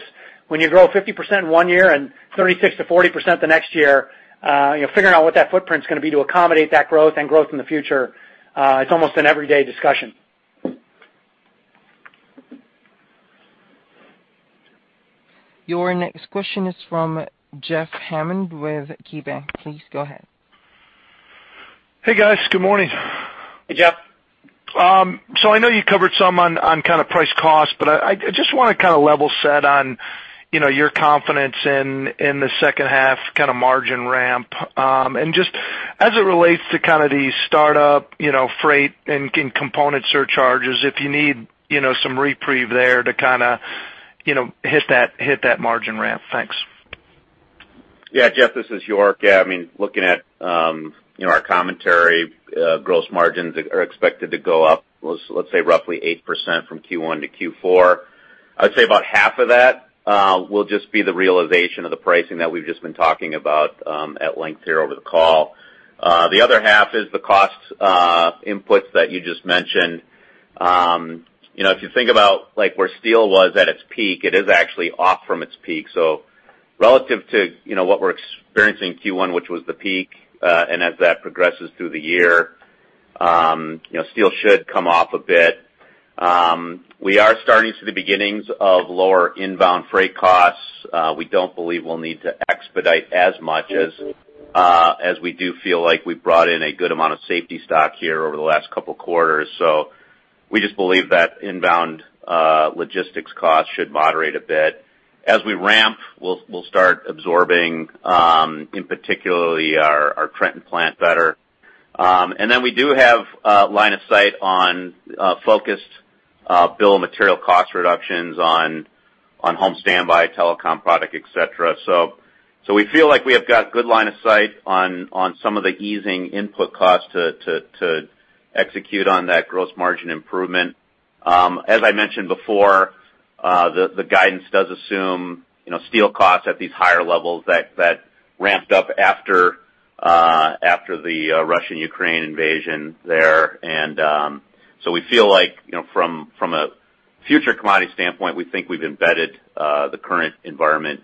When you grow 50% in one year and 36%-40% the next year, you know, figuring out what that footprint's going to be to accommodate that growth and growth in the future, it's almost an everyday discussion. Your next question is from Jeff Hammond with KeyBanc. Please go ahead. Hey, guys. Good morning. Hey, Jeff. I know you covered some on kinda price cost, but I just wanna kinda level set on, you know, your confidence in the second half kinda margin ramp. Just as it relates to kinda the startup, you know, freight and component surcharges, if you need, you know, some reprieve there to kinda, you know, hit that margin ramp. Thanks. Yeah, Jeff, this is York Ragen. Yeah, I mean, looking at, you know, our commentary, gross margins are expected to go up, let's say roughly 8% from Q1 to Q4. I'd say about half of that will just be the realization of the pricing that we've just been talking about at length here over the call. The other half is the cost inputs that you just mentioned. You know, if you think about, like, where steel was at its peak, it is actually off from its peak. Relative to, you know, what we're experiencing Q1, which was the peak, and as that progresses through the year, you know, steel should come off a bit. We are starting to see the beginnings of lower inbound freight costs. We don't believe we'll need to expedite as much as we do feel like we brought in a good amount of safety stock here over the last couple quarters. We just believe that inbound logistics costs should moderate a bit. As we ramp, we'll start absorbing in particular our Trenton plant better. We do have a line of sight on focused bill of material cost reductions on home standby, telecom product, et cetera. We feel like we have got good line of sight on some of the easing input costs to execute on that gross margin improvement. As I mentioned before, the guidance does assume, you know, steel costs at these higher levels that ramped up after the Russia-Ukraine invasion there. We feel like, you know, from a future commodity standpoint, we think we've embedded the current environment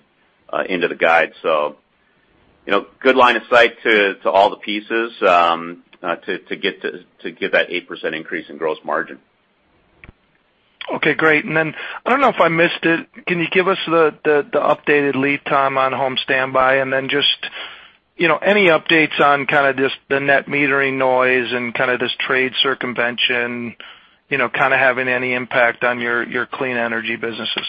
into the guide. You know, good line of sight to all the pieces to get that 8% increase in gross margin. Okay, great. I don't know if I missed it. Can you give us the updated lead time on home standby? Just, you know, any updates on kind of just the net metering noise and kind of this trade circumvention, you know, kind of having any impact on your clean energy businesses?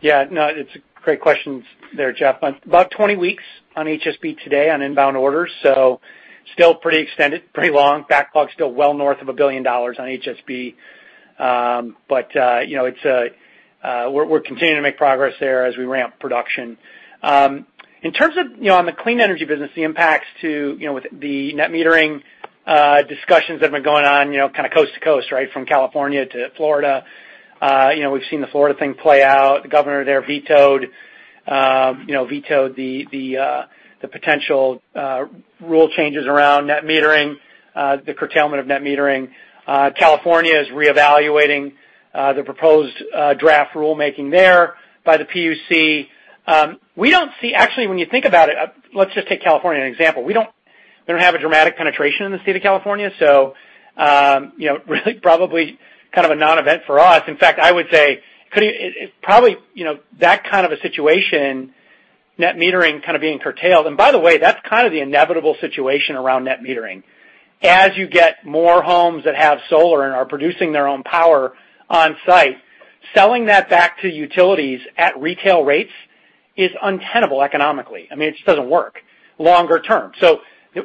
Yeah, no, it's great questions there, Jeff. About 20 weeks on HSB today on inbound orders, so still pretty extended, pretty long. Backlog's still well north of $1 billion on HSB. You know, we're continuing to make progress there as we ramp production. In terms of, you know, on the clean energy business, the impacts to, you know, with the net metering discussions that have been going on, you know, kind of coast to coast, right? From California to Florida. You know, we've seen the Florida thing play out. The governor there vetoed you know, the potential rule changes around net metering, the curtailment of net metering. California is reevaluating the proposed draft rulemaking there by the PUC. Actually, when you think about it, let's just take California as an example. We don't have a dramatic penetration in the state of California, so you know, really probably kind of a non-event for us. In fact, I would say probably you know, that kind of a situation, net metering kind of being curtailed. By the way, that's kind of the inevitable situation around net metering. As you get more homes that have solar and are producing their own power on site, selling that back to utilities at retail rates is untenable economically. I mean, it just doesn't work longer term.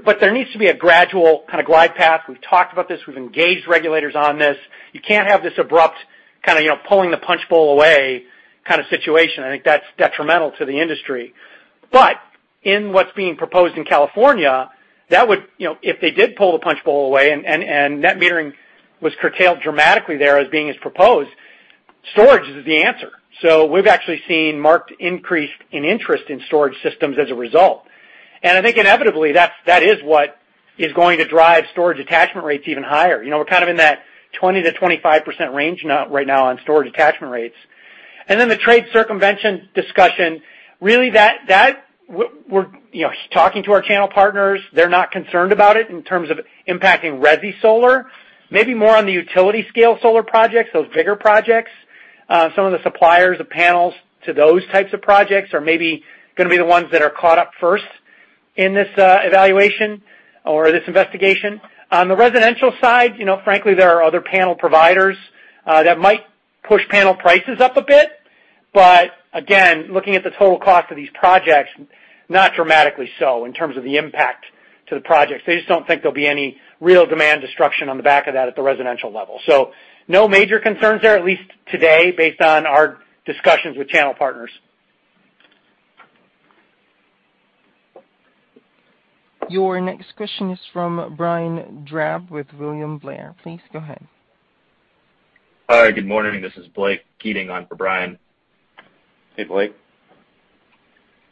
But there needs to be a gradual kind of glide path. We've talked about this. We've engaged regulators on this. You can't have this abrupt kind of you know, pulling the punch bowl away kind of situation. I think that's detrimental to the industry. In what's being proposed in California, that would, you know, if they did pull the punch bowl away and net metering was curtailed dramatically there as being as proposed, storage is the answer. We've actually seen marked increase in interest in storage systems as a result. I think inevitably that is what is going to drive storage attachment rates even higher. You know, we're kind of in that 20%-25% range now, right now on storage attachment rates. Then the trade circumvention discussion, really that we're, you know, talking to our channel partners, they're not concerned about it in terms of impacting resi solar. Maybe more on the utility scale solar projects, those bigger projects. Some of the suppliers of panels to those types of projects are maybe gonna be the ones that are caught up first in this, evaluation or this investigation. On the residential side, you know, frankly, there are other panel providers that might push panel prices up a bit. Again, looking at the total cost of these projects, not dramatically so in terms of the impact to the projects. I just don't think there'll be any real demand destruction on the back of that at the residential level. No major concerns there, at least today, based on our discussions with channel partners. Your next question is from Brian Drab with William Blair. Please go ahead. Hi, good morning. This is Blake Keating on for Brian. Hey, Blake.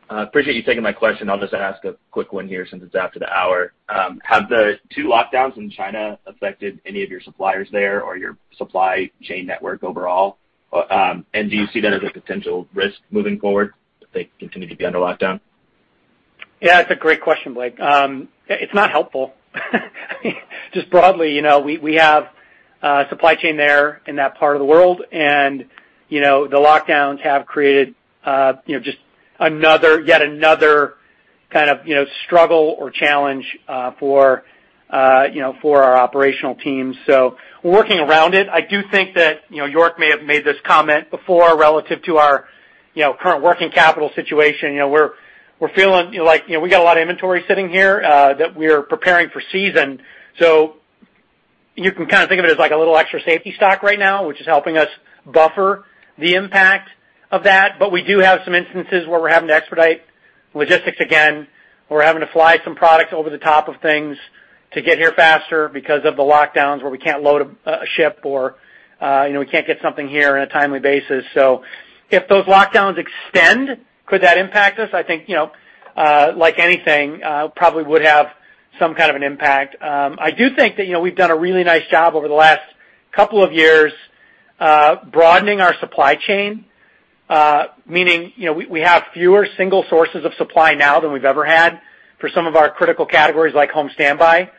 Appreciate you taking my question. I'll just ask a quick one here since it's after the hour. Have the two lockdowns in China affected any of your suppliers there or your supply chain network overall? Do you see that as a potential risk moving forward if they continue to be under lockdown? Yeah, it's a great question, Blake. It's not helpful. Just broadly, you know, we have a supply chain there in that part of the world, and, you know, the lockdowns have created, you know, just another kind of struggle or challenge for our operational teams. We're working around it. I do think that, you know, York may have made this comment before relative to our current working capital situation. You know, we're feeling like, you know, we got a lot of inventory sitting here that we're preparing for season. You can kind of think of it as like a little extra safety stock right now, which is helping us buffer the impact of that, but we do have some instances where we're having to expedite logistics again, or we're having to fly some products over the top of things to get here faster because of the lockdowns where we can't load a ship or, you know, we can't get something here on a timely basis. If those lockdowns extend, could that impact us? I think, you know, like anything, probably would have some kind of an impact. I do think that, you know, we've done a really nice job over the last couple of years, broadening our supply chain, meaning, you know, we have fewer single sources of supply now than we've ever had for some of our critical categories like home standby.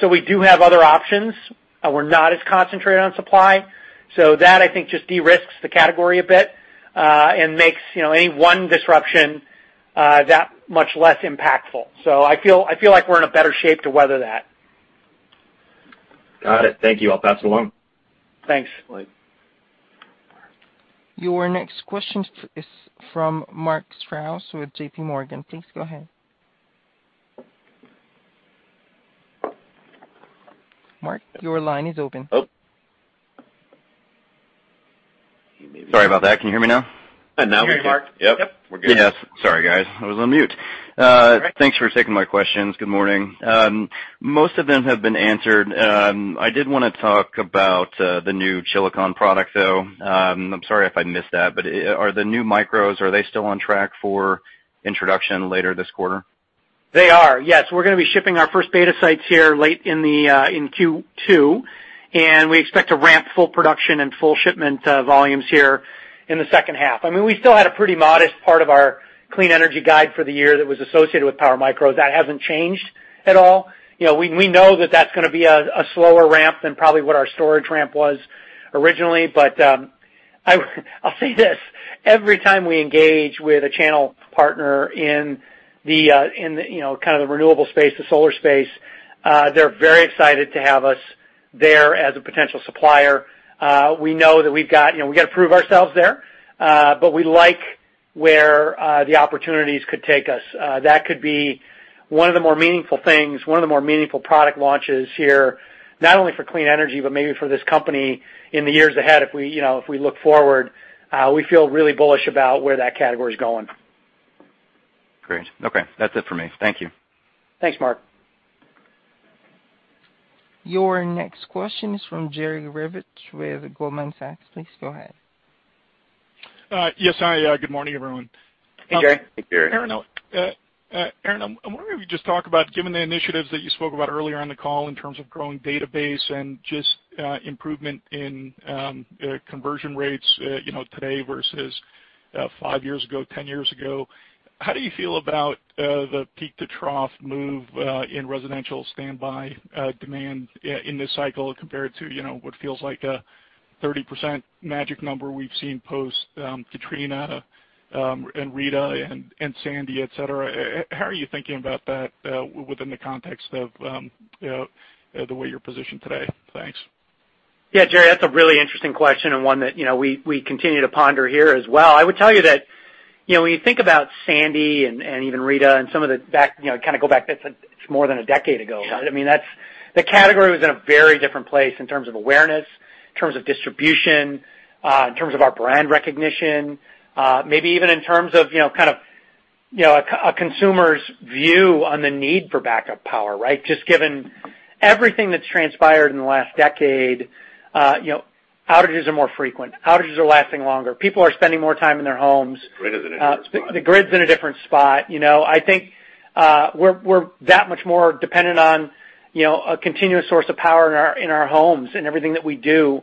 So, we do have other options, we're not as concentrated on supply. So that I think just de-risks the category a bit, and makes, you know, any one disruption that much less impactful. So, I feel like we're in a better shape to weather that. Got it. Thank you. I'll pass along. Thanks. Thanks. Your next question is from Mark Strouse with JPMorgan. Please go ahead. Mark, your line is open. Oh. Sorry about that. Can you hear me now? Now we can. Can hear you, Mark. Yep, we're good. Yes. Sorry, guys. I was on mute. Thanks for taking my questions. Good morning. Most of them have been answered. I did want to talk about the new Chilicon product, though. I'm sorry if I missed that, but are the new micros still on track for introduction later this quarter? They are. Yes. We're going to be shipping our first beta sites here late in Q2, and we expect to ramp full production and full shipment volumes here in the second half. I mean, we still had a pretty modest part of our clean energy guide for the year that was associated with PWRmicro. That hasn't changed at all. You know, we know that that's going to be a slower ramp than probably what our storage ramp was originally, but I'll say this, every time we engage with a channel partner in the in you know kind of the renewable space, the solar space, they're very excited to have us there as a potential supplier. We know that we've got, you know, we got to prove ourselves there, but we like where the opportunities could take us. That could be one of the more meaningful things, one of the more meaningful product launches here, not only for clean energy, but maybe for this company in the years ahead if we, you know, if we look forward. We feel really bullish about where that category is going. Great. Okay. That's it for me. Thank you. Thanks, Mark. Your next question is from Jerry Revich with Goldman Sachs. Please go ahead. Yes, hi. Good morning, everyone. Hey, Jerry. Hey, Jerry. Aaron, I wonder if you just talk about, given the initiatives that you spoke about earlier on the call in terms of growing database and just, improvement in, conversion rates, you know, today versus, five years ago, 10 years ago, how do you feel about, the peak-to-trough move, in residential standby, demand in this cycle compared to, you know, what feels like a 30% magic number we've seen post, Katrina, and Rita and Sandy, et cetera? How are you thinking about that, within the context of, you know, the way you're positioned today? Thanks. Yeah, Jerry, that's a really interesting question and one that, you know, we continue to ponder here as well. I would tell you that, you know, when you think about Sandy and even Rita and some of the back, you know, kind of go back, that's more than a decade ago. Yeah. I mean, that's the category was in a very different place in terms of awareness, in terms of distribution, in terms of our brand recognition, maybe even in terms of, you know, kind of, you know, a consumer's view on the need for backup power, right? Just given everything that's transpired in the last decade, you know, outages are more frequent. Outages are lasting longer. People are spending more time in their homes. Grid is in a different spot. The grid's in a different spot. You know, I think, we're that much more dependent on, you know, a continuous source of power in our homes in everything that we do.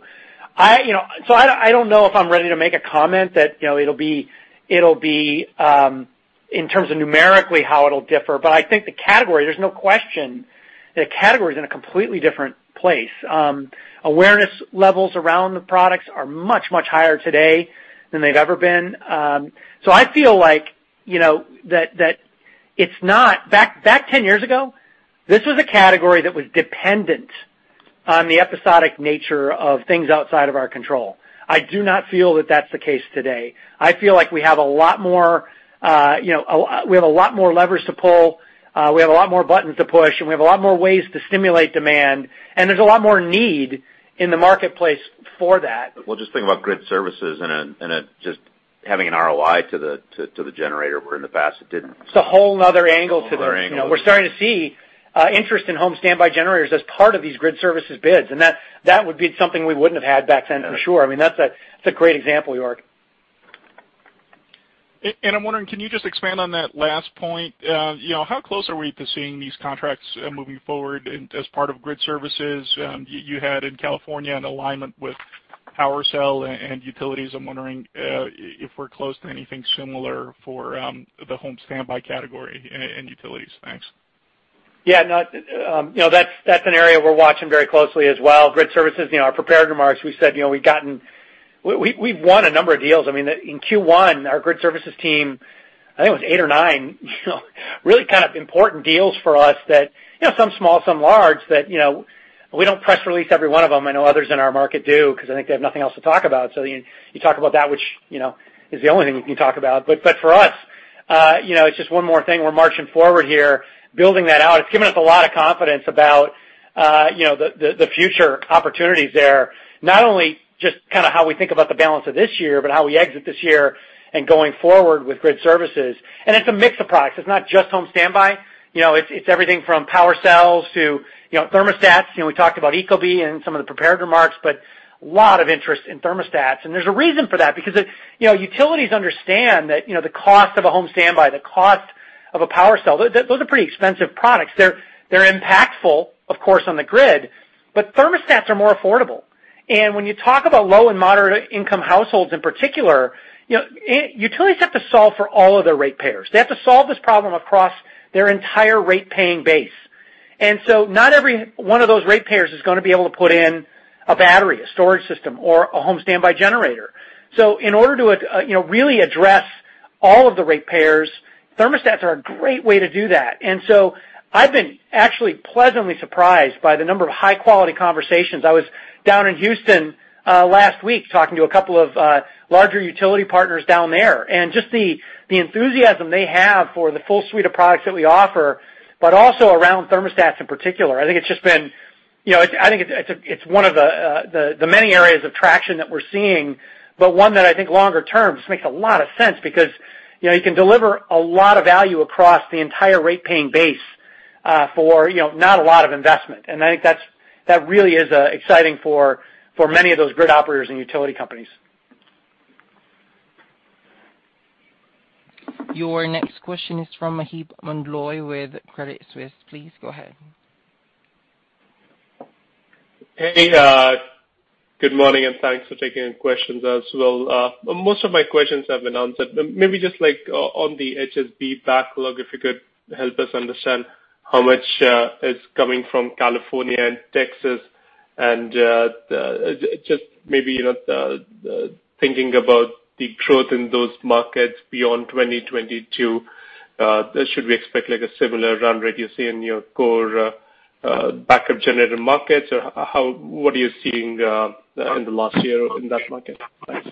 You know, so I don't know if I'm ready to make a comment that, you know, it'll be in terms of numerically how it'll differ, but I think the category, there's no question that category is in a completely different place. Awareness levels around the products are much higher today than they've ever been. I feel like, you know, that it's not. Back 10 years ago, this was a category that was dependent on the episodic nature of things outside of our control. I do not feel that that's the case today. I feel like we have a lot more, you know, we have a lot more levers to pull, we have a lot more buttons to push, and we have a lot more ways to stimulate demand, and there's a lot more need in the marketplace for that. Well, just think about grid services and just having an ROI to the generator, where in the past it didn't. It's a whole 'nother angle to this. Whole 'nother angle. You know, we're starting to see interest in home standby generators as part of these grid services bids, and that would be something we wouldn't have had back then for sure. I mean, that's a great example, York. I'm wondering, can you just expand on that last point? You know, how close are we to seeing these contracts moving forward in, as part of grid services, you had in California in alignment with PWRcell and utilities? I'm wondering, if we're close to anything similar for, the home standby category and utilities. Thanks. Yeah. No, you know, that's an area we're watching very closely as well. Grid services, you know, our prepared remarks, we said, you know, we've won a number of deals. I mean, in Q1, our grid services team, I think it was eight or nine, you know, really kind of important deals for us that, you know, some small, some large, that, you know, we don't press release every one of them. I know others in our market do because I think they have nothing else to talk about. You talk about that, which, you know, is the only thing you can talk about. For us, you know, it's just one more thing we're marching forward here, building that out. It's given us a lot of confidence about, you know, the future opportunities there, not only just kinda how we think about the balance of this year, but how we exit this year and going forward with grid services. It's a mix of products. It's not just home standby. You know, it's everything from PWRcell to, you know, thermostats. You know, we talked about ecobee in some of the prepared remarks, but lot of interest in thermostats. There's a reason for that because you know, utilities understand that, you know, the cost of a home standby, the cost of a PWRcell, those are pretty expensive products. They're impactful, of course, on the grid, but thermostats are more affordable. When you talk about low and moderate income households in particular, you know, utilities have to solve for all of their rate payers. They have to solve this problem across their entire rate-paying base. Not every one of those rate payers is gonna be able to put in a battery, a storage system or a home standby generator. In order to, you know, really address all of the rate payers, thermostats are a great way to do that. I've been actually pleasantly surprised by the number of high-quality conversations. I was down in Houston, last week talking to a couple of, larger utility partners down there, and just the enthusiasm they have for the full suite of products that we offer, but also around thermostats in particular. I think it's just been, you know, I think it's one of the many areas of traction that we're seeing, but one that I think longer term just makes a lot of sense because, you know, you can deliver a lot of value across the entire rate-paying base, for, you know, not a lot of investment. I think that really is exciting for many of those grid operators and utility companies. Your next question is from Maheep Mandloi with Credit Suisse. Please go ahead. Good morning, and thanks for taking the questions as well. Most of my questions have been answered. Maybe just like on the HSB backlog, if you could help us understand how much is coming from California and Texas, and just maybe, you know, the thinking about the growth in those markets beyond 2022. Should we expect like a similar run rate you see in your core backup generator markets? Or how—what are you seeing in the last year in that market? Thanks.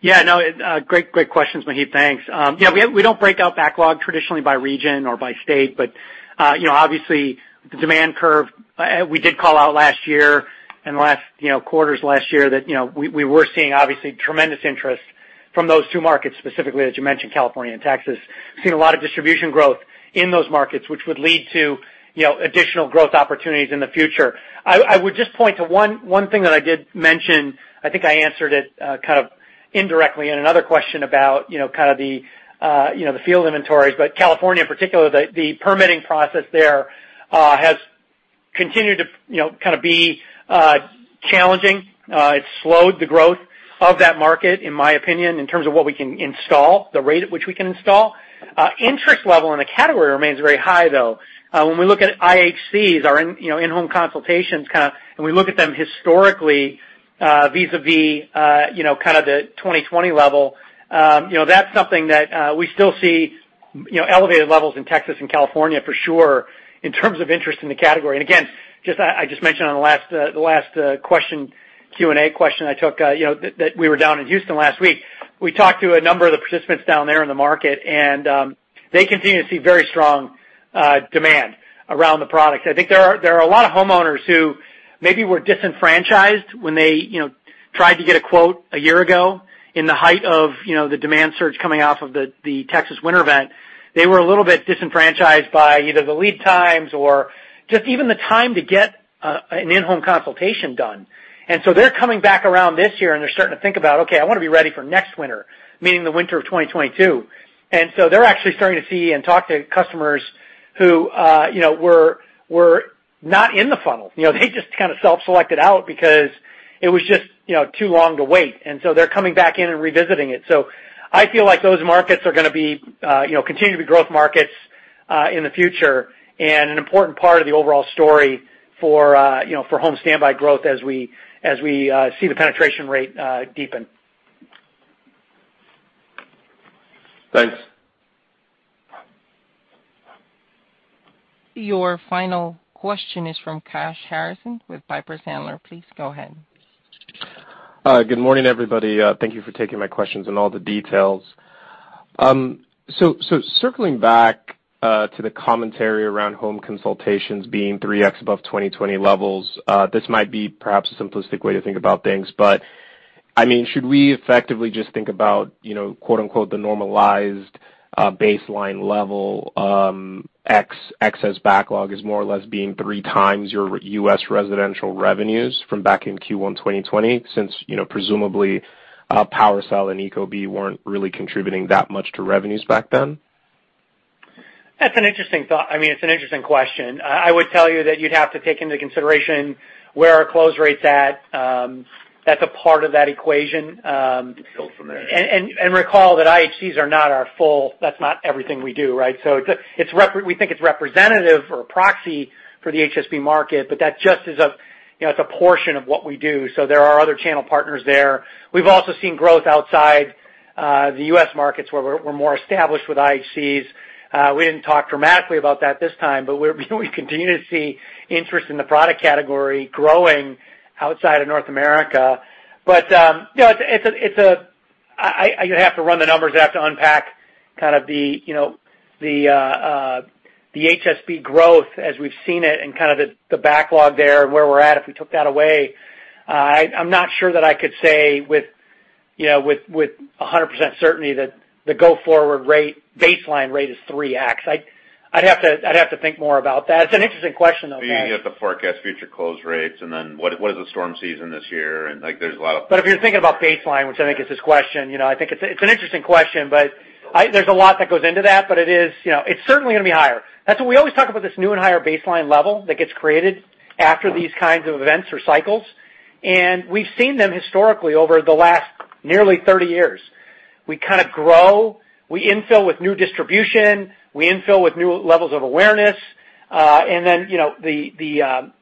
Yeah, no, great questions, Maheep. Thanks. Yeah, we don't break out backlog traditionally by region or by state, but you know, obviously, the demand curve, we did call out last year, in the last, you know, quarters last year, that, you know, we were seeing obviously tremendous interest from those two markets specifically that you mentioned, California and Texas. Seen a lot of distribution growth in those markets, which would lead to, you know, additional growth opportunities in the future. I would just point to one thing that I did mention, I think I answered it kind of indirectly in another question about, you know, kind of the, you know, the field inventories. But California, in particular, the permitting process there has continued to, you know, kind of be challenging. It's slowed the growth of that market, in my opinion, in terms of what we can install, the rate at which we can install. Interest level in the category remains very high, though. When we look at IHCs, our in-home consultations kind of, and we look at them historically, vis-a-vis, you know, kind of the 2020 level, you know, that's something that we still see, you know, elevated levels in Texas and California for sure in terms of interest in the category. Again, I just mentioned on the last Q&A question I took, you know, that we were down in Houston last week. We talked to a number of the participants down there in the market, and they continue to see very strong demand around the products. I think there are a lot of homeowners who maybe were disenfranchised when they, you know, tried to get a quote a year ago in the height of, you know, the demand surge coming off of the Texas winter event. They were a little bit disenfranchised by either the lead times or just even the time to get an in-home consultation done. They're coming back around this year, and they're starting to think about, okay, I want to be ready for next winter, meaning the winter of 2022. They're actually starting to see and talk to customers who, you know, were not in the funnel. You know, they just kind of self-selected out because it was just, you know, too long to wait, and so they're coming back in and revisiting it. I feel like those markets are going to be, you know, continue to be growth markets in the future and an important part of the overall story for, you know, for home standby growth as we see the penetration rate deepen. Thanks. Your final question is from Kash Harrison with Piper Sandler. Please go ahead. Good morning, everybody. Thank you for taking my questions and all the details. Circling back to the commentary around home consultations being 3x above 2020 levels, this might be perhaps a simplistic way to think about things, but I mean, should we effectively just think about, you know, quote-unquote, the normalized baseline level 3x as backlog as more or less being 3x your U.S. residential revenues from back in Q1 2020, since, you know, presumably PWRcell and ecobee weren't really contributing that much to revenues back then? That's an interesting thought. I mean, it's an interesting question. I would tell you that you'd have to take into consideration where our close rates at. That's a part of that equation. Go from there. Recall that IHCs are not our full—that's not everything we do, right? It's representative or a proxy for the HSB market, but that just is a, you know, it's a portion of what we do. There are other channel partners there. We've also seen growth outside the U.S. markets where we're more established with IHCs. We didn't talk dramatically about that this time, but we continue to see interest in the product category growing outside of North America. You know, I have to run the numbers. I have to unpack kind of the, you know, the HSB growth as we've seen it and kind of the backlog there and where we're at if we took that away. I'm not sure that I could say with, you know, with 100% certainty that the go-forward rate baseline rate is 3x. I'd have to think more about that. It's an interesting question, though, Kash. You'd have to forecast future close rates and then what is the storm season this year? Like, there's a lot of. If you're thinking about baseline, which I think is his question, you know, I think it's an interesting question, but there's a lot that goes into that. It is, you know, it's certainly going to be higher. That's what we always talk about, this new and higher baseline level that gets created after these kinds of events or cycles. We've seen them historically over the last nearly 30 years. We kind of grow. We infill with new distribution. We infill with new levels of awareness. And then, you know, the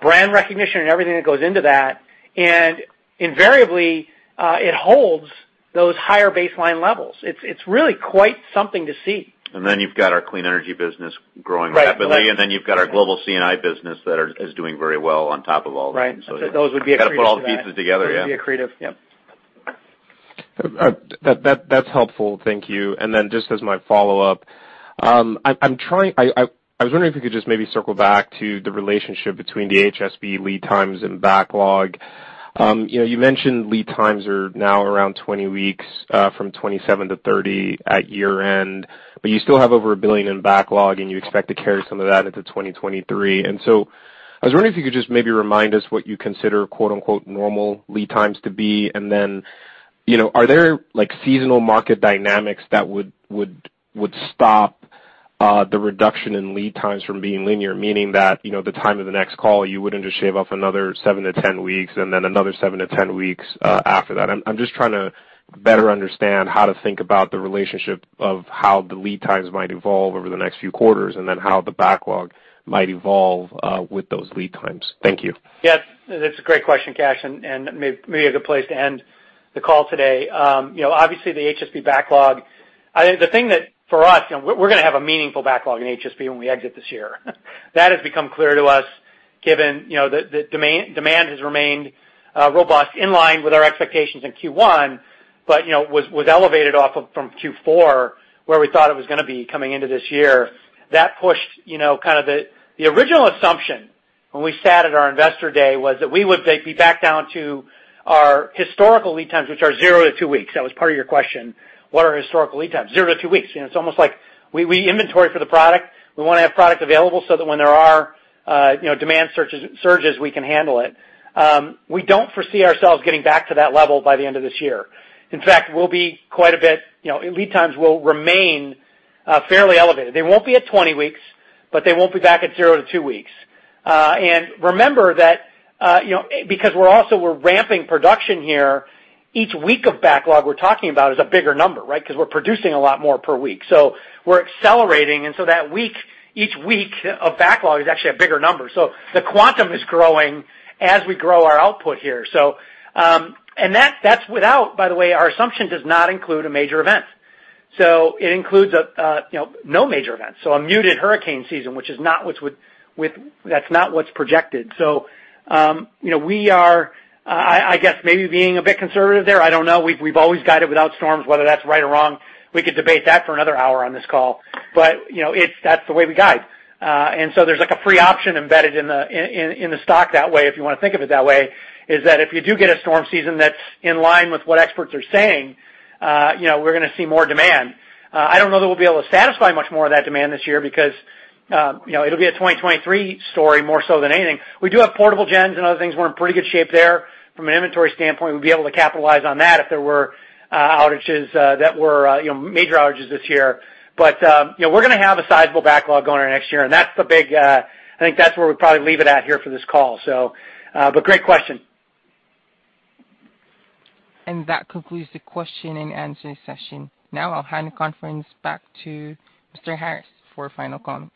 brand recognition and everything that goes into that. Invariably, it holds those higher baseline levels. It's really quiet something to see. You've got our clean energy business growing rapidly. Right. You've got our global C&I business that is doing very well on top of all this. Right. Those would be accretive to that. Gotta put all the pieces together, yeah. Would be accretive, yep. That's helpful. Thank you. Just as my follow-up, I was wondering if you could just maybe circle back to the relationship between the HSB lead times and backlog. You know, you mentioned lead times are now around 20 weeks, from 27-30 at year-end, but you still have over $1 billion in backlog, and you expect to carry some of that into 2023. I was wondering if you could just maybe remind us what you consider, quote-unquote, normal lead times to be. You know, are there, like, seasonal market dynamics that would stop the reduction in lead times from being linear, meaning that, you know, the time of the next call, you wouldn't just shave off another seven to 10 weeks and then another seven to 10 weeks after that? I'm just trying to better understand how to think about the relationship of how the lead times might evolve over the next few quarters, and then how the backlog might evolve with those lead times. Thank you. Yes, that's a great question, Kash, and may be a good place to end the call today. You know, obviously the HSB backlog. I think the thing that for us, you know, we're going to have a meaningful backlog in HSB when we exit this year. That has become clear to us given, you know, the demand has remained robust in line with our expectations in Q1, but, you know, was elevated off of from Q4, where we thought it was going to be coming into this year. That pushed, you know, kind of the original assumption when we sat at our Investor Day was that we would maybe be back down to our historical lead times, which are zero to two weeks. That was part of your question, what are our historical lead times? zero to two weeks. You know, it's almost like we inventory for the product. We want ta have product available so that when there are, you know, demand surges, we can handle it. We don't foresee ourselves getting back to that level by the end of this year. In fact, we'll be quite a bit, you know. Lead times will remain fairly elevated. They won't be at 20 weeks, but they won't be back at zero to two weeks. Remember that, you know, because we're ramping production here, each week of backlog we're talking about is a bigger number, right? Because we're producing a lot more per week. We're accelerating, and so that week, each week of backlog is actually a bigger number. So, the quantum is growing as we grow our output here, so. That's without, by the way, our assumption does not include a major event. It includes, you know, no major events, so a muted hurricane season, which is not what's projected. You know, we are, I guess maybe being a bit conservative there. I don't know. We've always guided without storms, whether that's right or wrong. We could debate that for another hour on this call. You know, that's the way we guide. There's like a free option embedded in the stock that way, if you want to think of it that way, is that if you do get a storm season that's in line with what experts are saying, you know, we're going to see more demand. I don't know that we'll be able to satisfy much more of that demand this year because, you know, it'll be a 2023 story more so than anything. We do have portable gens and other things. We're in pretty good shape there. From an inventory standpoint, we'll be able to capitalize on that if there were outages that were, you know, major outages this year. You know, we're going to have a sizable backlog going into next year, and that's the big, I think that's where we'll probably leave it at here for this call. Great question. That concludes the question and answer session. Now I'll hand the conference back to Mike Harris for final comments.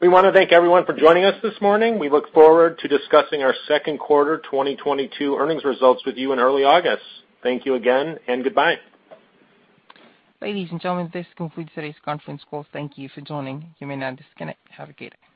We want to thank everyone for joining us this morning. We look forward to discussing our Q2 2022 earnings results with you in early August. Thank you again and goodbye. Ladies and gentlemen, this concludes today's conference call. Thank you for joining. You may now disconnect. Have a good day.